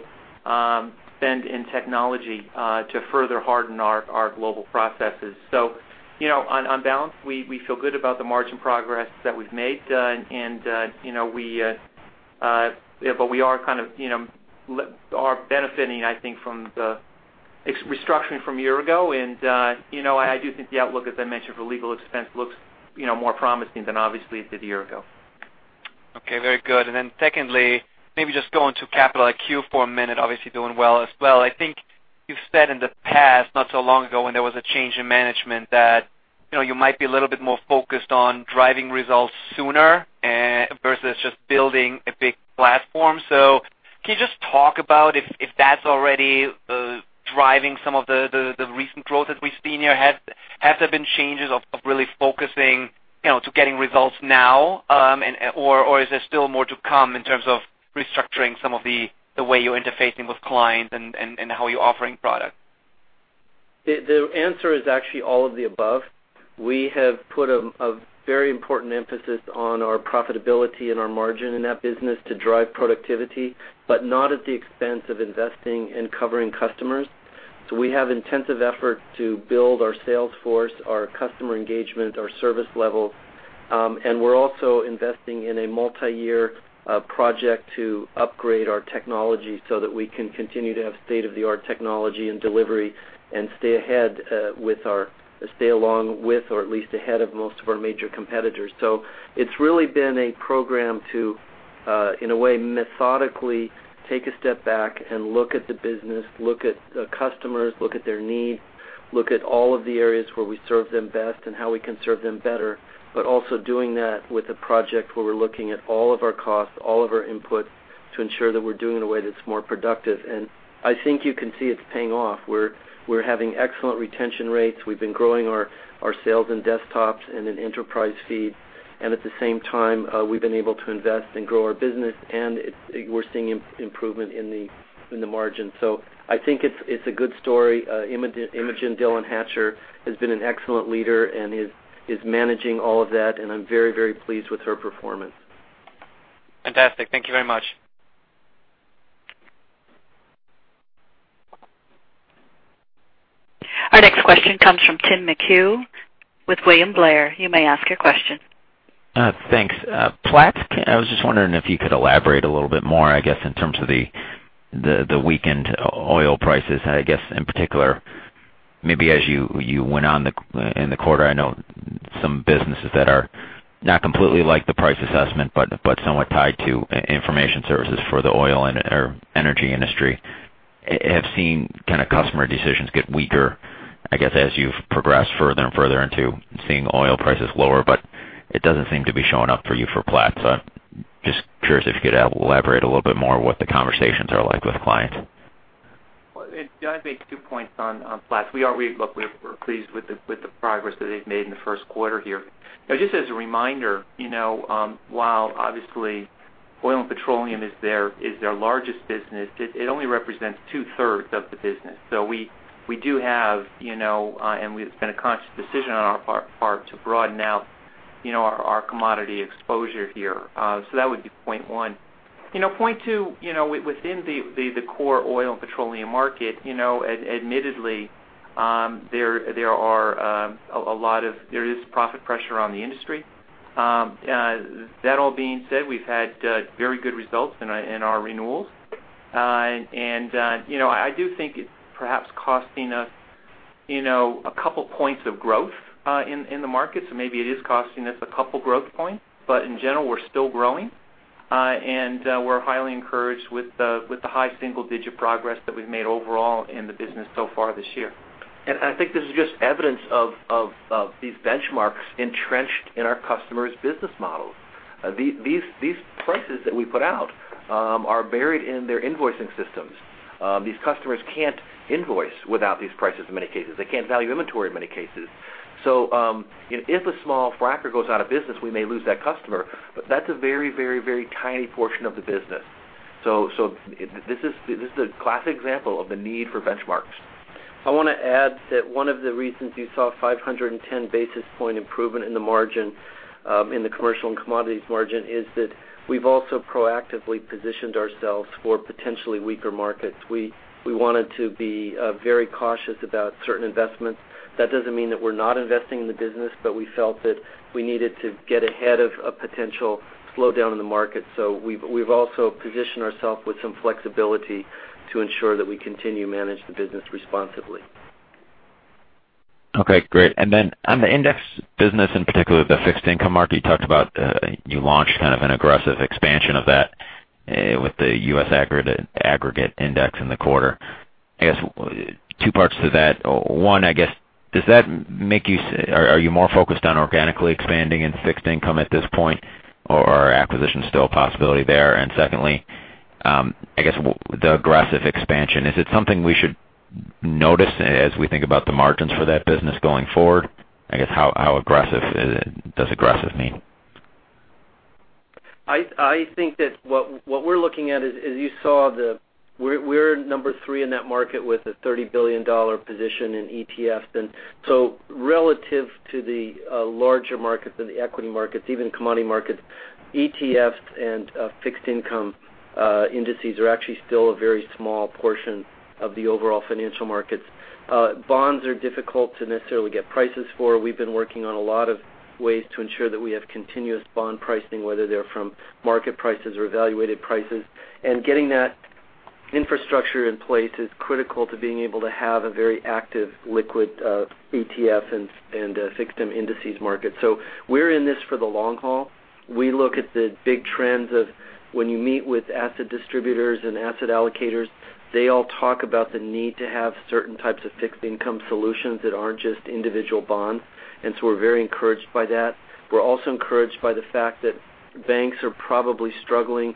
Speaker 4: spend in technology to further harden our global processes. On balance, we feel good about the margin progress that we've made. We are benefiting, I think, from the restructuring from a year ago. I do think the outlook, as I mentioned, for legal expense looks more promising than obviously it did a year ago.
Speaker 7: Okay. Very good. Then secondly, maybe just going to Capital IQ for a minute, obviously doing well as well. I think you've said in the past, not so long ago, when there was a change in management that you might be a little bit more focused on driving results sooner versus just building a big platform. Can you just talk about if that's already driving some of the recent growth that we've seen here? Have there been changes of really focusing to getting results now? Or is there still more to come in terms of restructuring some of the way you're interfacing with clients and how you're offering product?
Speaker 3: The answer is actually all of the above. We have put a very important emphasis on our profitability and our margin in that business to drive productivity, but not at the expense of investing and covering customers. We have intensive effort to build our sales force, our customer engagement, our service level. We're also investing in a multi-year project to upgrade our technology so that we can continue to have state-of-the-art technology and delivery, and stay along with or at least ahead of most of our major competitors. It's really been a program to, in a way, methodically take a step back and look at the business, look at the customers, look at their needs, look at all of the areas where we serve them best, and how we can serve them better.
Speaker 4: Also doing that with a project where we're looking at all of our costs, all of our inputs to ensure that we're doing it in a way that's more productive. I think you can see it's paying off. We're having excellent retention rates. We've been growing our sales in desktops and in enterprise feed. At the same time, we've been able to invest and grow our business, and we're seeing improvement in the margin. I think it's a good story. Imogen Dillon Hatcher has been an excellent leader and is managing all of that, and I'm very, very pleased with her performance.
Speaker 7: Fantastic. Thank you very much.
Speaker 1: Our next question comes from Tim McHugh with William Blair. You may ask your question.
Speaker 8: Thanks. Platts, I was just wondering if you could elaborate a little bit more, I guess, in terms of the weakened oil prices. I guess in particular, maybe as you went on in the quarter, I know some businesses that are not completely like the price assessment, but somewhat tied to information services for the oil or energy industry, have seen customer decisions get weaker, I guess, as you've progressed further and further into seeing oil prices lower. It doesn't seem to be showing up for you for Platts. Just curious if you could elaborate a little bit more what the conversations are like with clients.
Speaker 4: I'd make two points on Platts. We're pleased with the progress that they've made in the first quarter here. Just as a reminder, while obviously oil and petroleum is their largest business, it only represents two-thirds of the business. We do have, and it's been a conscious decision on our part to broaden out our commodity exposure here. That would be point one. Point two, within the core oil and petroleum market, admittedly, there is profit pressure on the industry. That all being said, we've had very good results in our renewals. I do think it's perhaps costing us a couple points of growth in the market. Maybe it is costing us a couple growth points, but in general, we're still growing. We're highly encouraged with the high single-digit progress that we've made overall in the business so far this year.
Speaker 2: I think this is just evidence of these benchmarks entrenched in our customers' business models. These prices that we put out are buried in their invoicing systems. These customers can't invoice without these prices in many cases. They can't value inventory in many cases. If a small fracker goes out of business, we may lose that customer, but that's a very, very, very tiny portion of the business. This is a classic example of the need for benchmarks
Speaker 3: I want to add that one of the reasons you saw a 510 basis point improvement in the margin, in the commercial and commodities margin, is that we've also proactively positioned ourselves for potentially weaker markets. We wanted to be very cautious about certain investments. That doesn't mean that we're not investing in the business, but we felt that we needed to get ahead of a potential slowdown in the market. We've also positioned ourself with some flexibility to ensure that we continue to manage the business responsibly.
Speaker 8: Great. On the index business, in particular the fixed income market, you talked about you launched an aggressive expansion of that with the U.S. Aggregate Index in the quarter. Two parts to that. One, are you more focused on organically expanding in fixed income at this point, or are acquisitions still a possibility there? Secondly, the aggressive expansion, is it something we should notice as we think about the margins for that business going forward? How aggressive does aggressive mean?
Speaker 3: I think that what we're looking at is, as you saw, we're number three in that market with a $30 billion position in ETFs. Relative to the larger markets, in the equity markets, even commodity markets, ETFs and fixed income indices are actually still a very small portion of the overall financial markets. Bonds are difficult to necessarily get prices for. We've been working on a lot of ways to ensure that we have continuous bond pricing, whether they're from market prices or evaluated prices. Getting that infrastructure in place is critical to being able to have a very active, liquid ETF and fixed-income indices market. We're in this for the long haul. We look at the big trends of when you meet with asset distributors and asset allocators, they all talk about the need to have certain types of fixed income solutions that aren't just individual bonds, we're very encouraged by that. We're also encouraged by the fact that banks are probably struggling,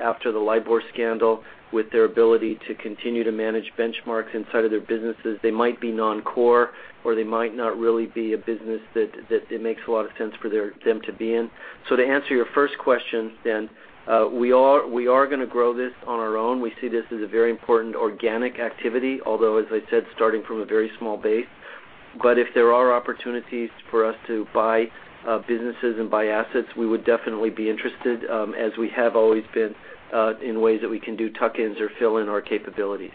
Speaker 3: after the LIBOR scandal, with their ability to continue to manage benchmarks inside of their businesses. They might be non-core, or they might not really be a business that it makes a lot of sense for them to be in. To answer your first question, then, we are going to grow this on our own. We see this as a very important organic activity, although, as I said, starting from a very small base. If there are opportunities for us to buy businesses and buy assets, we would definitely be interested, as we have always been, in ways that we can do tuck-ins or fill in our capabilities.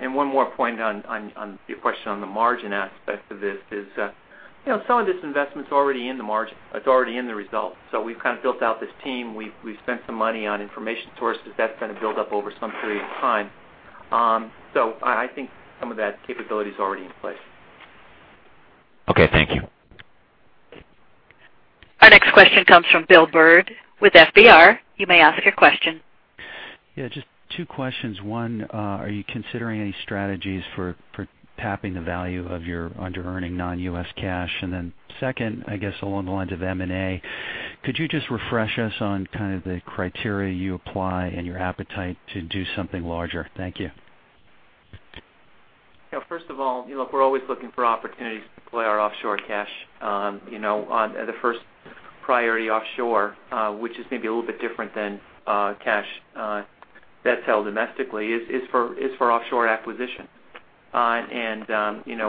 Speaker 4: One more point on your question on the margin aspect of this is, some of this investment's already in the margin. It's already in the results. We've built out this team. We've spent some money on information sources. That's going to build up over some period of time. I think some of that capability's already in place.
Speaker 8: Okay, thank you.
Speaker 1: Our next question comes from Bill Bird with FBR. You may ask your question.
Speaker 9: Yeah, just two questions. One, are you considering any strategies for tapping the value of your underearning non-U.S. cash? Second, I guess along the lines of M&A, could you just refresh us on the criteria you apply and your appetite to do something larger? Thank you.
Speaker 4: First of all, we're always looking for opportunities to deploy our offshore cash. The first priority offshore, which is maybe a little bit different than cash that's held domestically, is for offshore acquisition.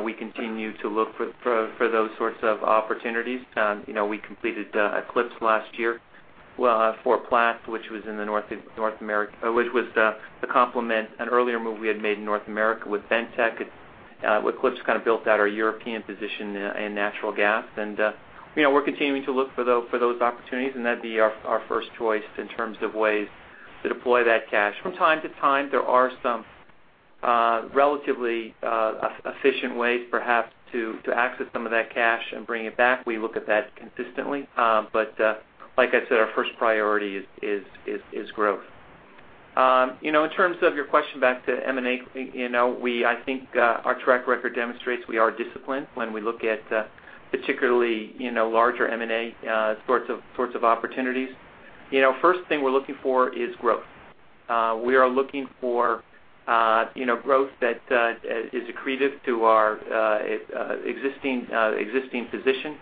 Speaker 4: We continue to look for those sorts of opportunities. We completed Eclipse last year for Platts, which was the complement, an earlier move we had made in North America with Bentek. With Eclipse, kind of built out our European position in natural gas. We're continuing to look for those opportunities, and that'd be our first choice in terms of ways to deploy that cash. From time to time, there are some relatively efficient ways, perhaps, to access some of that cash and bring it back. We look at that consistently. Like I said, our first priority is growth. In terms of your question back to M&A, I think our track record demonstrates we are disciplined when we look at particularly larger M&A sorts of opportunities. First thing we're looking for is growth. We are looking for growth that is accretive to our existing position.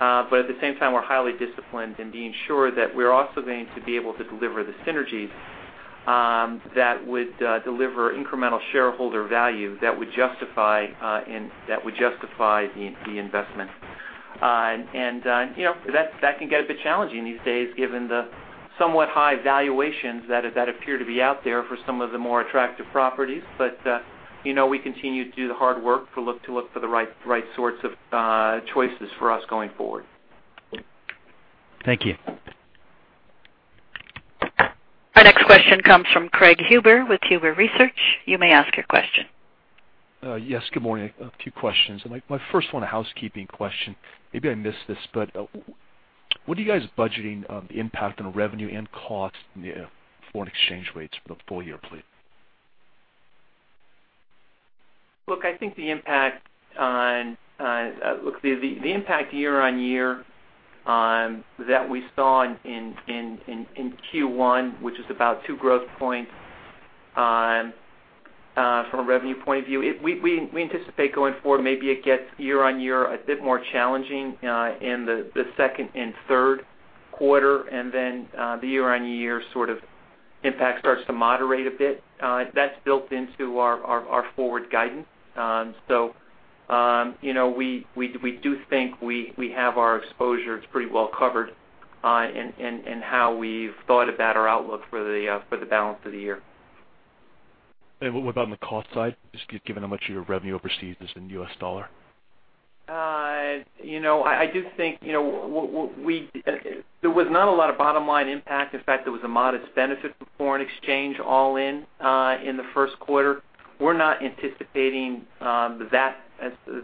Speaker 4: At the same time, we're highly disciplined in being sure that we're also going to be able to deliver the synergies that would deliver incremental shareholder value that would justify the investment. That can get a bit challenging these days given the somewhat high valuations that appear to be out there for some of the more attractive properties. We continue to do the hard work to look for the right sorts of choices for us going forward.
Speaker 9: Thank you.
Speaker 1: Our next question comes from Craig Huber with Huber Research. You may ask your question.
Speaker 10: Yes, good morning. A few questions. My first one, a housekeeping question. Maybe I missed this, what are you guys budgeting the impact on revenue and cost in the foreign exchange rates for the full year, please?
Speaker 4: Look, I think the impact year-on-year that we saw in Q1, which was about two growth points from a revenue point of view, we anticipate going forward, maybe it gets year-on-year a bit more challenging in the second and third quarter, then the year-on-year impact starts to moderate a bit. That's built into our forward guidance. We do think we have our exposure. It's pretty well covered in how we've thought about our outlook for the balance of the year.
Speaker 10: What about on the cost side? Just given how much of your revenue overseas is in U.S. dollar.
Speaker 4: I do think there was not a lot of bottom-line impact. In fact, there was a modest benefit from foreign exchange all in the first quarter. We're not anticipating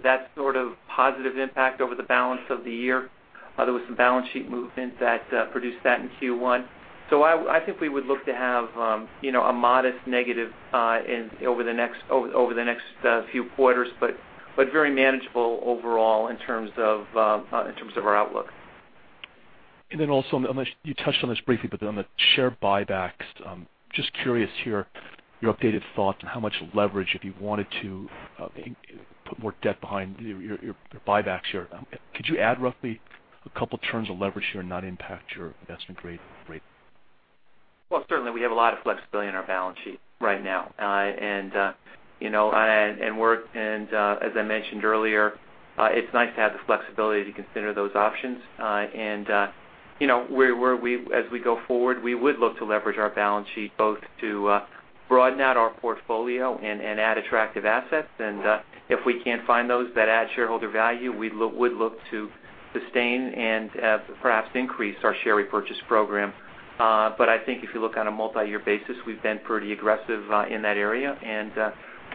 Speaker 4: that sort of positive impact over the balance of the year. There was some balance sheet movement that produced that in Q1. I think we would look to have a modest negative over the next few quarters, but very manageable overall in terms of our outlook.
Speaker 10: Also, you touched on this briefly, but on the share buybacks, just curious here, your updated thoughts on how much leverage, if you wanted to put more debt behind your buybacks here. Could you add roughly a couple of turns of leverage here and not impact your investment-grade rating?
Speaker 4: Well, certainly we have a lot of flexibility in our balance sheet right now. As I mentioned earlier, it's nice to have the flexibility to consider those options. As we go forward, we would look to leverage our balance sheet both to broaden out our portfolio and add attractive assets. If we can't find those that add shareholder value, we would look to sustain and perhaps increase our share repurchase program. I think if you look on a multi-year basis, we've been pretty aggressive in that area, and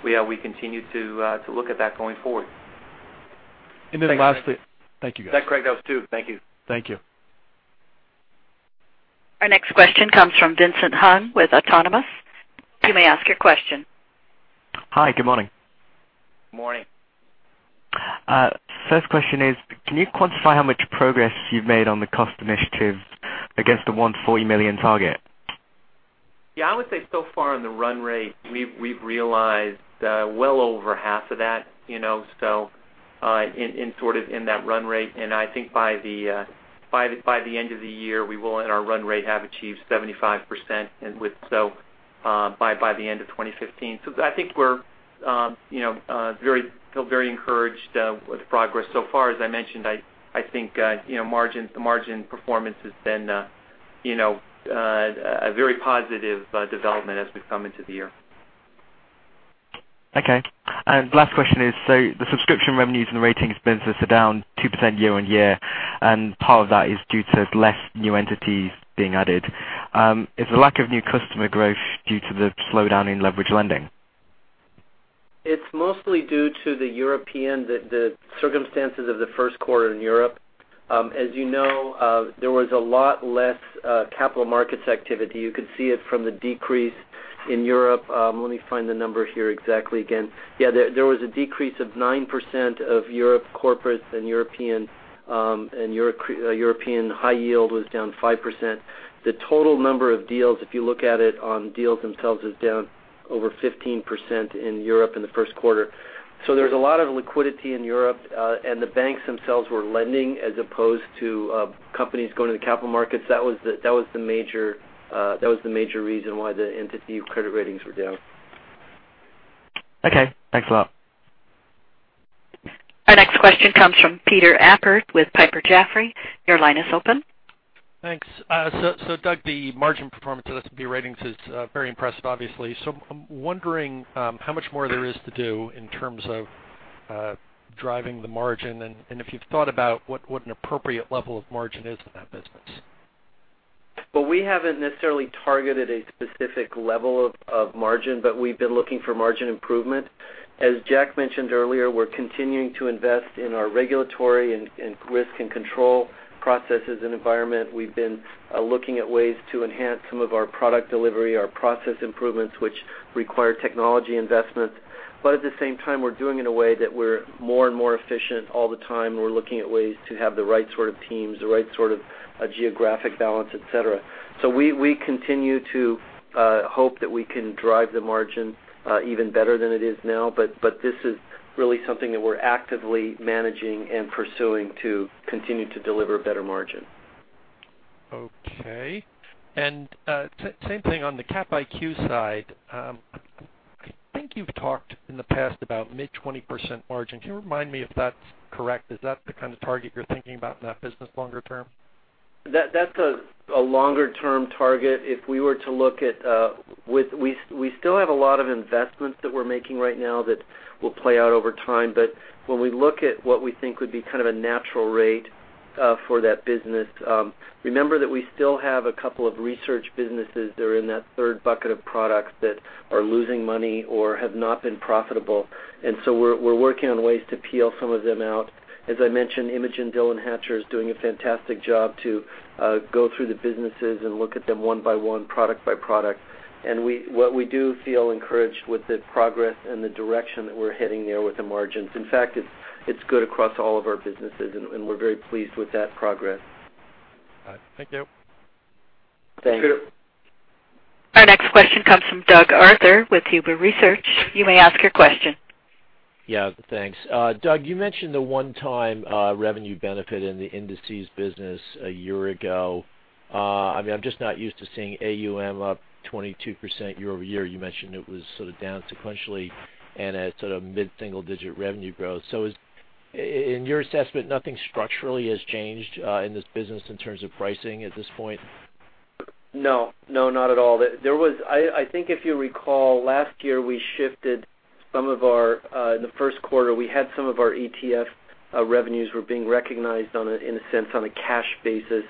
Speaker 4: we continue to look at that going forward.
Speaker 10: Thank you, guys.
Speaker 4: That's great, that was two. Thank you.
Speaker 10: Thank you.
Speaker 1: Our next question comes from Vincent Hung with Autonomous. You may ask your question.
Speaker 11: Hi. Good morning.
Speaker 3: Morning.
Speaker 11: First question is, can you quantify how much progress you've made on the cost initiatives against the $140 million target?
Speaker 4: Yeah, I would say so far in the run rate, we've realized well over half of that, so in sort of in that run rate. I think by the end of the year, we will in our run rate have achieved 75%, and with so by the end of 2015. I think we feel very encouraged with the progress so far. As I mentioned, I think the margin performance has been a very positive development as we've come into the year.
Speaker 11: Last question is, the subscription revenues and the ratings business are down 2% year-over-year, part of that is due to less new entities being added. Is the lack of new customer growth due to the slowdown in leveraged lending?
Speaker 3: It's mostly due to the circumstances of the first quarter in Europe. As you know, there was a lot less capital markets activity. You could see it from the decrease in Europe. Let me find the number here exactly again. There was a decrease of 9% of Europe corporate and European high yield was down 5%. The total number of deals, if you look at it on deals themselves, is down over 15% in Europe in the first quarter. There's a lot of liquidity in Europe. The banks themselves were lending as opposed to companies going to the capital markets. That was the major reason why the entity credit ratings were down.
Speaker 11: Okay. Thanks a lot.
Speaker 1: Our next question comes from Peter Appert with Piper Jaffray. Your line is open.
Speaker 12: Doug, the margin performance of S&P Ratings is very impressive, obviously. I'm wondering how much more there is to do in terms of driving the margin, and if you've thought about what an appropriate level of margin is in that business.
Speaker 3: We haven't necessarily targeted a specific level of margin, but we've been looking for margin improvement. As Jack mentioned earlier, we're continuing to invest in our regulatory and risk and control processes and environment. We've been looking at ways to enhance some of our product delivery, our process improvements, which require technology investments. At the same time, we're doing it in a way that we're more and more efficient all the time. We're looking at ways to have the right sort of teams, the right sort of geographic balance, et cetera. We continue to hope that we can drive the margin even better than it is now. This is really something that we're actively managing and pursuing to continue to deliver better margin.
Speaker 12: Same thing on the Cap IQ side. I think you've talked in the past about mid-20% margin. Can you remind me if that's correct? Is that the kind of target you're thinking about in that business longer term?
Speaker 3: That's a longer-term target. We still have a lot of investments that we're making right now that will play out over time, but when we look at what we think would be kind of a natural rate for that business, remember that we still have a couple of research businesses that are in that third bucket of products that are losing money or have not been profitable. We're working on ways to peel some of them out. As I mentioned, Imogen Dillon Hatcher is doing a fantastic job to go through the businesses and look at them one by one, product by product. What we do feel encouraged with the progress and the direction that we're heading there with the margins. In fact, it's good across all of our businesses, and we're very pleased with that progress.
Speaker 12: All right. Thank you.
Speaker 3: Thanks.
Speaker 1: The next question comes from Doug Arthur with Huber Research. You may ask your question.
Speaker 13: Yeah, thanks. Doug, you mentioned the one-time revenue benefit in the indices business a year ago. I'm just not used to seeing AUM up 22% year-over-year. You mentioned it was sort of down sequentially and at sort of mid-single digit revenue growth. In your assessment, nothing structurally has changed in this business in terms of pricing at this point?
Speaker 3: No, not at all. I think if you recall, last year in the first quarter, we had some of our ETF revenues were being recognized, in a sense, on a cash basis,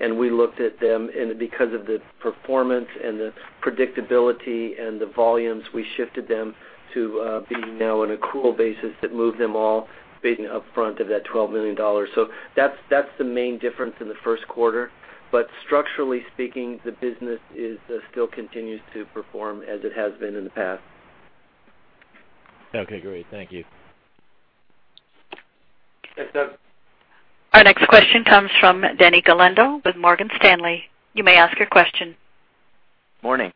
Speaker 3: and we looked at them, and because of the performance and the predictability and the volumes, we shifted them to being now on accrual basis that moved them all upfront of that $12 million. That's the main difference in the first quarter. Structurally speaking, the business still continues to perform as it has been in the past.
Speaker 13: Okay, great. Thank you.
Speaker 3: Thanks, Doug.
Speaker 1: Our next question comes from Denny Galindo with Morgan Stanley. You may ask your question.
Speaker 14: Morning.
Speaker 3: Morning.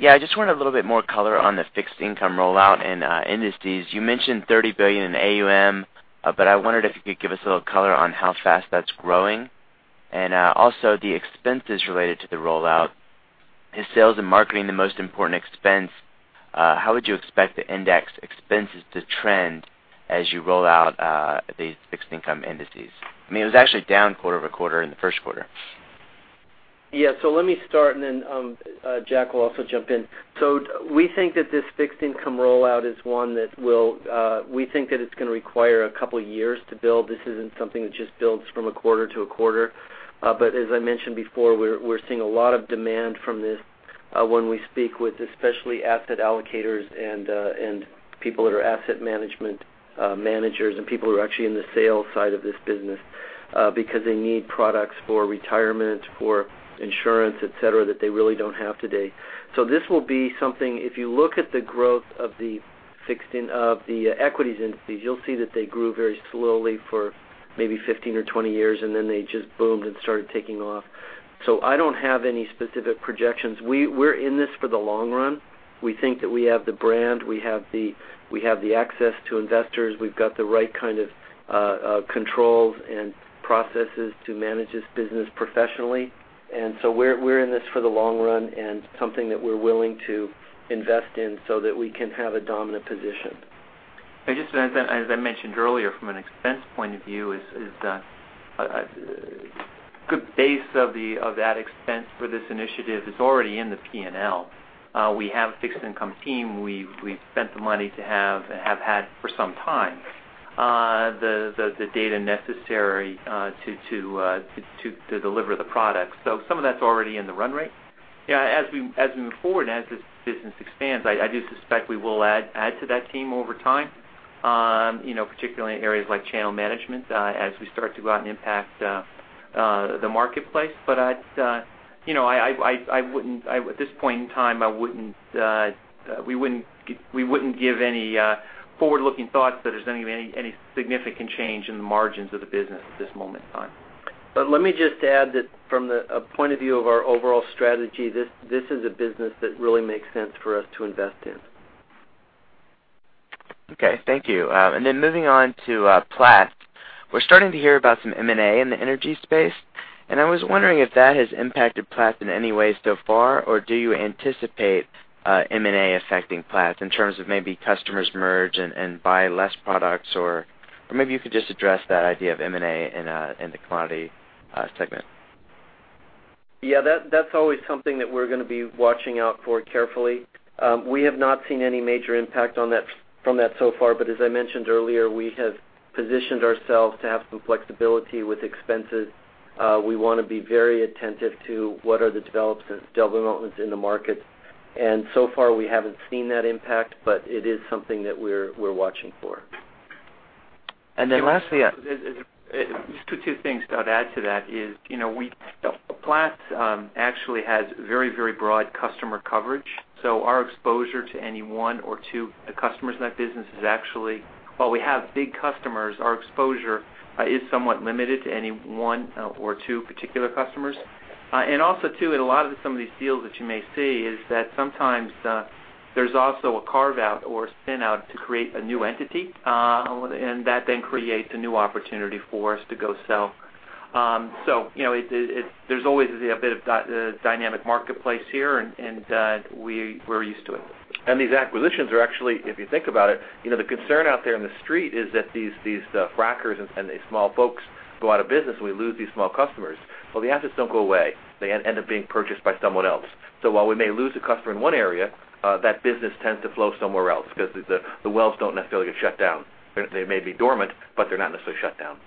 Speaker 14: I just wanted a little bit more color on the fixed income rollout and indices. You mentioned $30 billion in AUM, but I wondered if you could give us a little color on how fast that's growing and also the expenses related to the rollout. Is sales and marketing the most important expense? How would you expect the index expenses to trend as you roll out these fixed income indices? It was actually down quarter-over-quarter in the first quarter.
Speaker 3: Yeah. Let me start, Jack will also jump in. We think that this fixed income rollout is one that we think that it's going to require a couple of years to build. This isn't something that just builds from a quarter to a quarter. As I mentioned before, we're seeing a lot of demand from this when we speak with especially asset allocators and people that are asset management managers and people who are actually in the sales side of this business because they need products for retirement, for insurance, et cetera, that they really don't have today. This will be something, if you look at the growth of the equities indices, you'll see that they grew very slowly for maybe 15 or 20 years, and then they just boomed and started taking off. I don't have any specific projections. We're in this for the long run. We think that we have the brand, we have the access to investors, we've got the right kind of controls and processes to manage this business professionally. We're in this for the long run and something that we're willing to invest in so that we can have a dominant position.
Speaker 4: Just as I mentioned earlier, from an expense point of view, a good base of that expense for this initiative is already in the P&L. We have a fixed income team. We've spent the money to have, and have had for some time, the data necessary to deliver the product. Some of that's already in the run rate. As we move forward and as this business expands, I do suspect we will add to that team over time, particularly in areas like channel management, as we start to go out and impact the marketplace. At this point in time, we wouldn't give any forward-looking thoughts that there's going to be any significant change in the margins of the business at this moment in time.
Speaker 3: Let me just add that from the point of view of our overall strategy, this is a business that really makes sense for us to invest in.
Speaker 14: Okay, thank you. Moving on to Platts. We're starting to hear about some M&A in the energy space, and I was wondering if that has impacted Platts in any way so far, or do you anticipate M&A affecting Platts in terms of maybe customers merge and buy less products? Maybe you could just address that idea of M&A in the commodity segment.
Speaker 3: Yeah, that's always something that we're going to be watching out for carefully. We have not seen any major impact from that so far. As I mentioned earlier, we have positioned ourselves to have some flexibility with expenses. We want to be very attentive to what are the developments in the market. So far, we haven't seen that impact, but it is something that we're watching for.
Speaker 4: Lastly, just two things I'd add to that is Platts actually has very broad customer coverage. Our exposure to any one or two customers in that business is actually, while we have big customers, our exposure is somewhat limited to any one or two particular customers. Also, too, in a lot of some of these deals that you may see is that sometimes there's also a carve-out or a spin-out to create a new entity, and that then creates a new opportunity for us to go sell. There's always a bit of dynamic marketplace here, and we're used to it.
Speaker 2: These acquisitions are actually, if you think about it, the concern out there in the street is that these frackers and these small folks go out of business, and we lose these small customers. Well, the assets don't go away. They end up being purchased by someone else. While we may lose a customer in one area, that business tends to flow somewhere else because the wells don't necessarily get shut down. They may be dormant, but they're not necessarily shut down.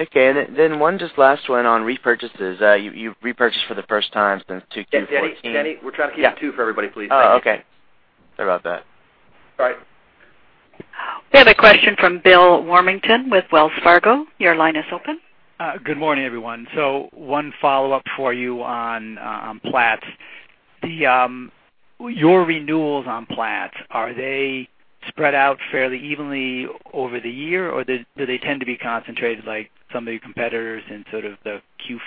Speaker 14: Okay, one just last one on repurchases. You've repurchased for the first time since 2014.
Speaker 3: Denny, we're trying to keep it two for everybody, please. Thank you.
Speaker 14: Okay. Sorry about that.
Speaker 3: All right.
Speaker 1: We have a question from Bill Warmington with Wells Fargo. Your line is open.
Speaker 15: Good morning, everyone. One follow-up for you on Platts. Your renewals on Platts, are they spread out fairly evenly over the year, or do they tend to be concentrated like some of your competitors in sort of the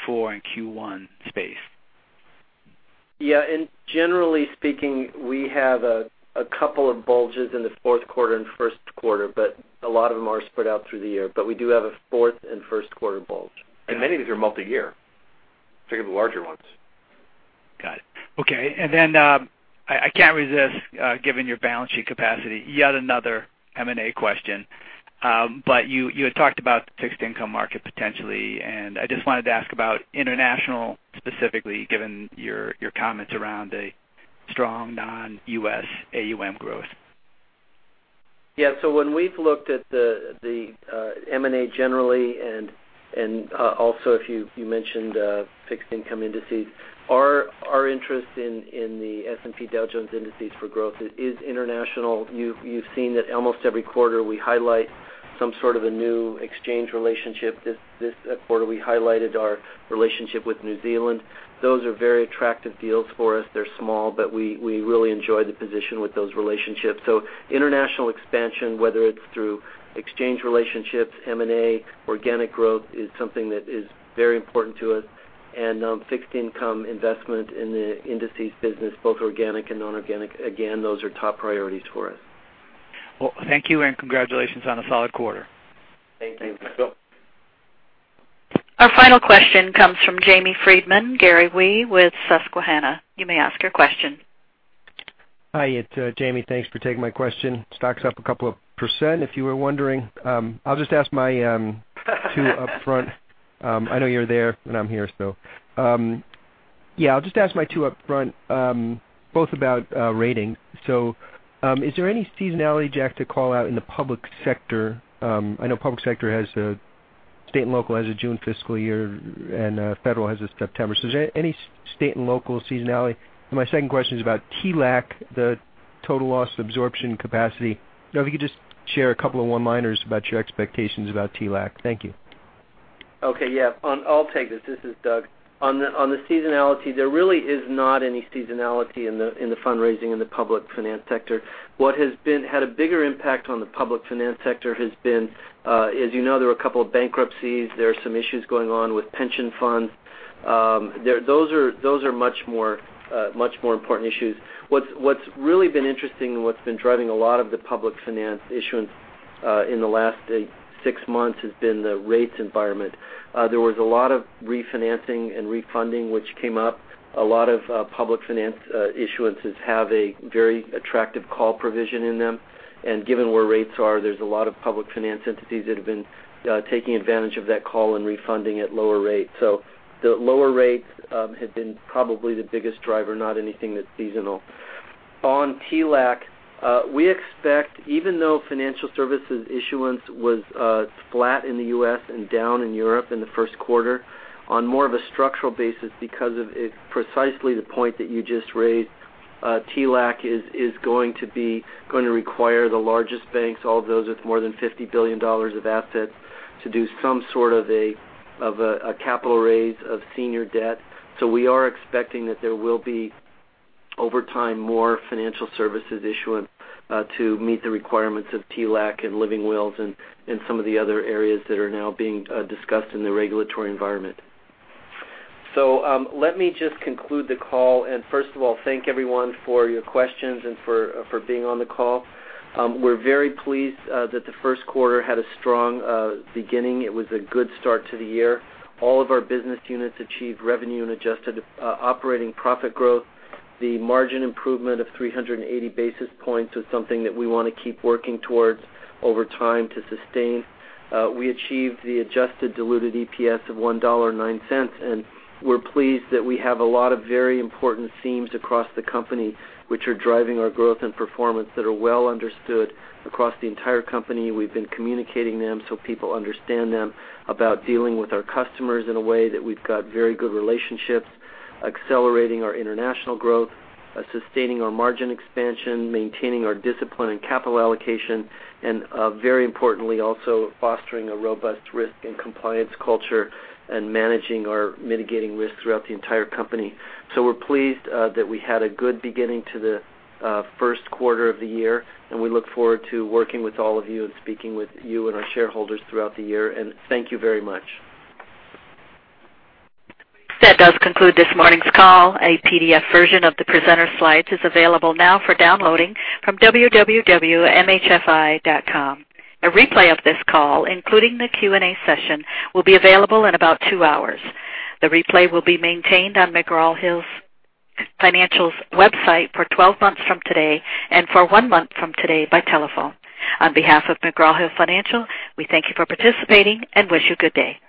Speaker 15: Q4 and Q1 space?
Speaker 3: Yeah. Generally speaking, we have a couple of bulges in the fourth quarter and first quarter, but a lot of them are spread out through the year, but we do have a fourth and first quarter bulge.
Speaker 2: Many of these are multi-year, particularly the larger ones.
Speaker 15: Got it. Okay. I can't resist, given your balance sheet capacity, yet another M&A question. You had talked about the fixed income market potentially, I just wanted to ask about international specifically, given your comments around a strong non-U.S. AUM growth.
Speaker 3: Yeah. When we've looked at the M&A generally, also if you mentioned fixed income indices, our interest in the S&P Dow Jones Indices for growth is international. You've seen that almost every quarter we highlight some sort of a new exchange relationship. This quarter, we highlighted our relationship with New Zealand. Those are very attractive deals for us. They're small, but we really enjoy the position with those relationships. International expansion, whether it's through exchange relationships, M&A, organic growth, is something that is very important to us. Fixed income investment in the indices business, both organic and non-organic, again, those are top priorities for us.
Speaker 15: Well, thank you, congratulations on a solid quarter.
Speaker 3: Thank you.
Speaker 2: Thanks, Bill Warmington.
Speaker 1: Our final question comes from James Friedman, Gary Wei with Susquehanna. You may ask your question.
Speaker 16: Hi, it's James Friedman. Thanks for taking my question. Stock's up a couple of percent, if you were wondering. I'll just ask my two upfront. I know you're there and I'm here. I'll just ask my two upfront, both about ratings. Is there any seasonality, Jack Callahan, to call out in the public sector? I know public sector has state and local has a June fiscal year, federal has a September. Is there any state and local seasonality? My second question is about TLAC, the total loss absorption capacity. If you could just share a couple of one-liners about your expectations about TLAC. Thank you.
Speaker 3: Okay. Yeah. I'll take this. This is Doug Peterson. On the seasonality, there really is not any seasonality in the fundraising in the public finance sector. What has had a bigger impact on the public finance sector has been, as you know, there were a couple of bankruptcies. There are some issues going on with pension funds. Those are much more important issues. What's really been interesting and what's been driving a lot of the public finance issuance in the last six months has been the rates environment. There was a lot of refinancing and refunding, which came up. A lot of public finance issuances have a very attractive call provision in them. Given where rates are, there's a lot of public finance entities that have been taking advantage of that call and refunding at lower rates. The lower rates have been probably the biggest driver, not anything that's seasonal. On TLAC, we expect even though financial services issuance was flat in the U.S. and down in Europe in the first quarter, on more of a structural basis because of precisely the point that you just raised, TLAC is going to require the largest banks, all those with more than $50 billion of assets, to do some sort of a capital raise of senior debt. We are expecting that there will be, over time, more financial services issuance to meet the requirements of TLAC and living wills and some of the other areas that are now being discussed in the regulatory environment. Let me just conclude the call, and first of all, thank everyone for your questions and for being on the call. We're very pleased that the first quarter had a strong beginning. It was a good start to the year. All of our business units achieved revenue and adjusted operating profit growth. The margin improvement of 380 basis points is something that we want to keep working towards over time to sustain. We achieved the adjusted diluted EPS of $1.09, we're pleased that we have a lot of very important themes across the company which are driving our growth and performance that are well understood across the entire company. We've been communicating them so people understand them about dealing with our customers in a way that we've got very good relationships, accelerating our international growth, sustaining our margin expansion, maintaining our discipline and capital allocation, very importantly, also fostering a robust risk and compliance culture and managing our mitigating risks throughout the entire company. We're pleased that we had a good beginning to the first quarter of the year, and we look forward to working with all of you and speaking with you and our shareholders throughout the year. Thank you very much.
Speaker 1: That does conclude this morning's call. A PDF version of the presenter slides is available now for downloading from www.mhfi.com. A replay of this call, including the Q&A session, will be available in about 2 hours. The replay will be maintained on McGraw Hill Financial's website for 12 months from today and for 1 month from today by telephone. On behalf of McGraw Hill Financial, we thank you for participating and wish you good day.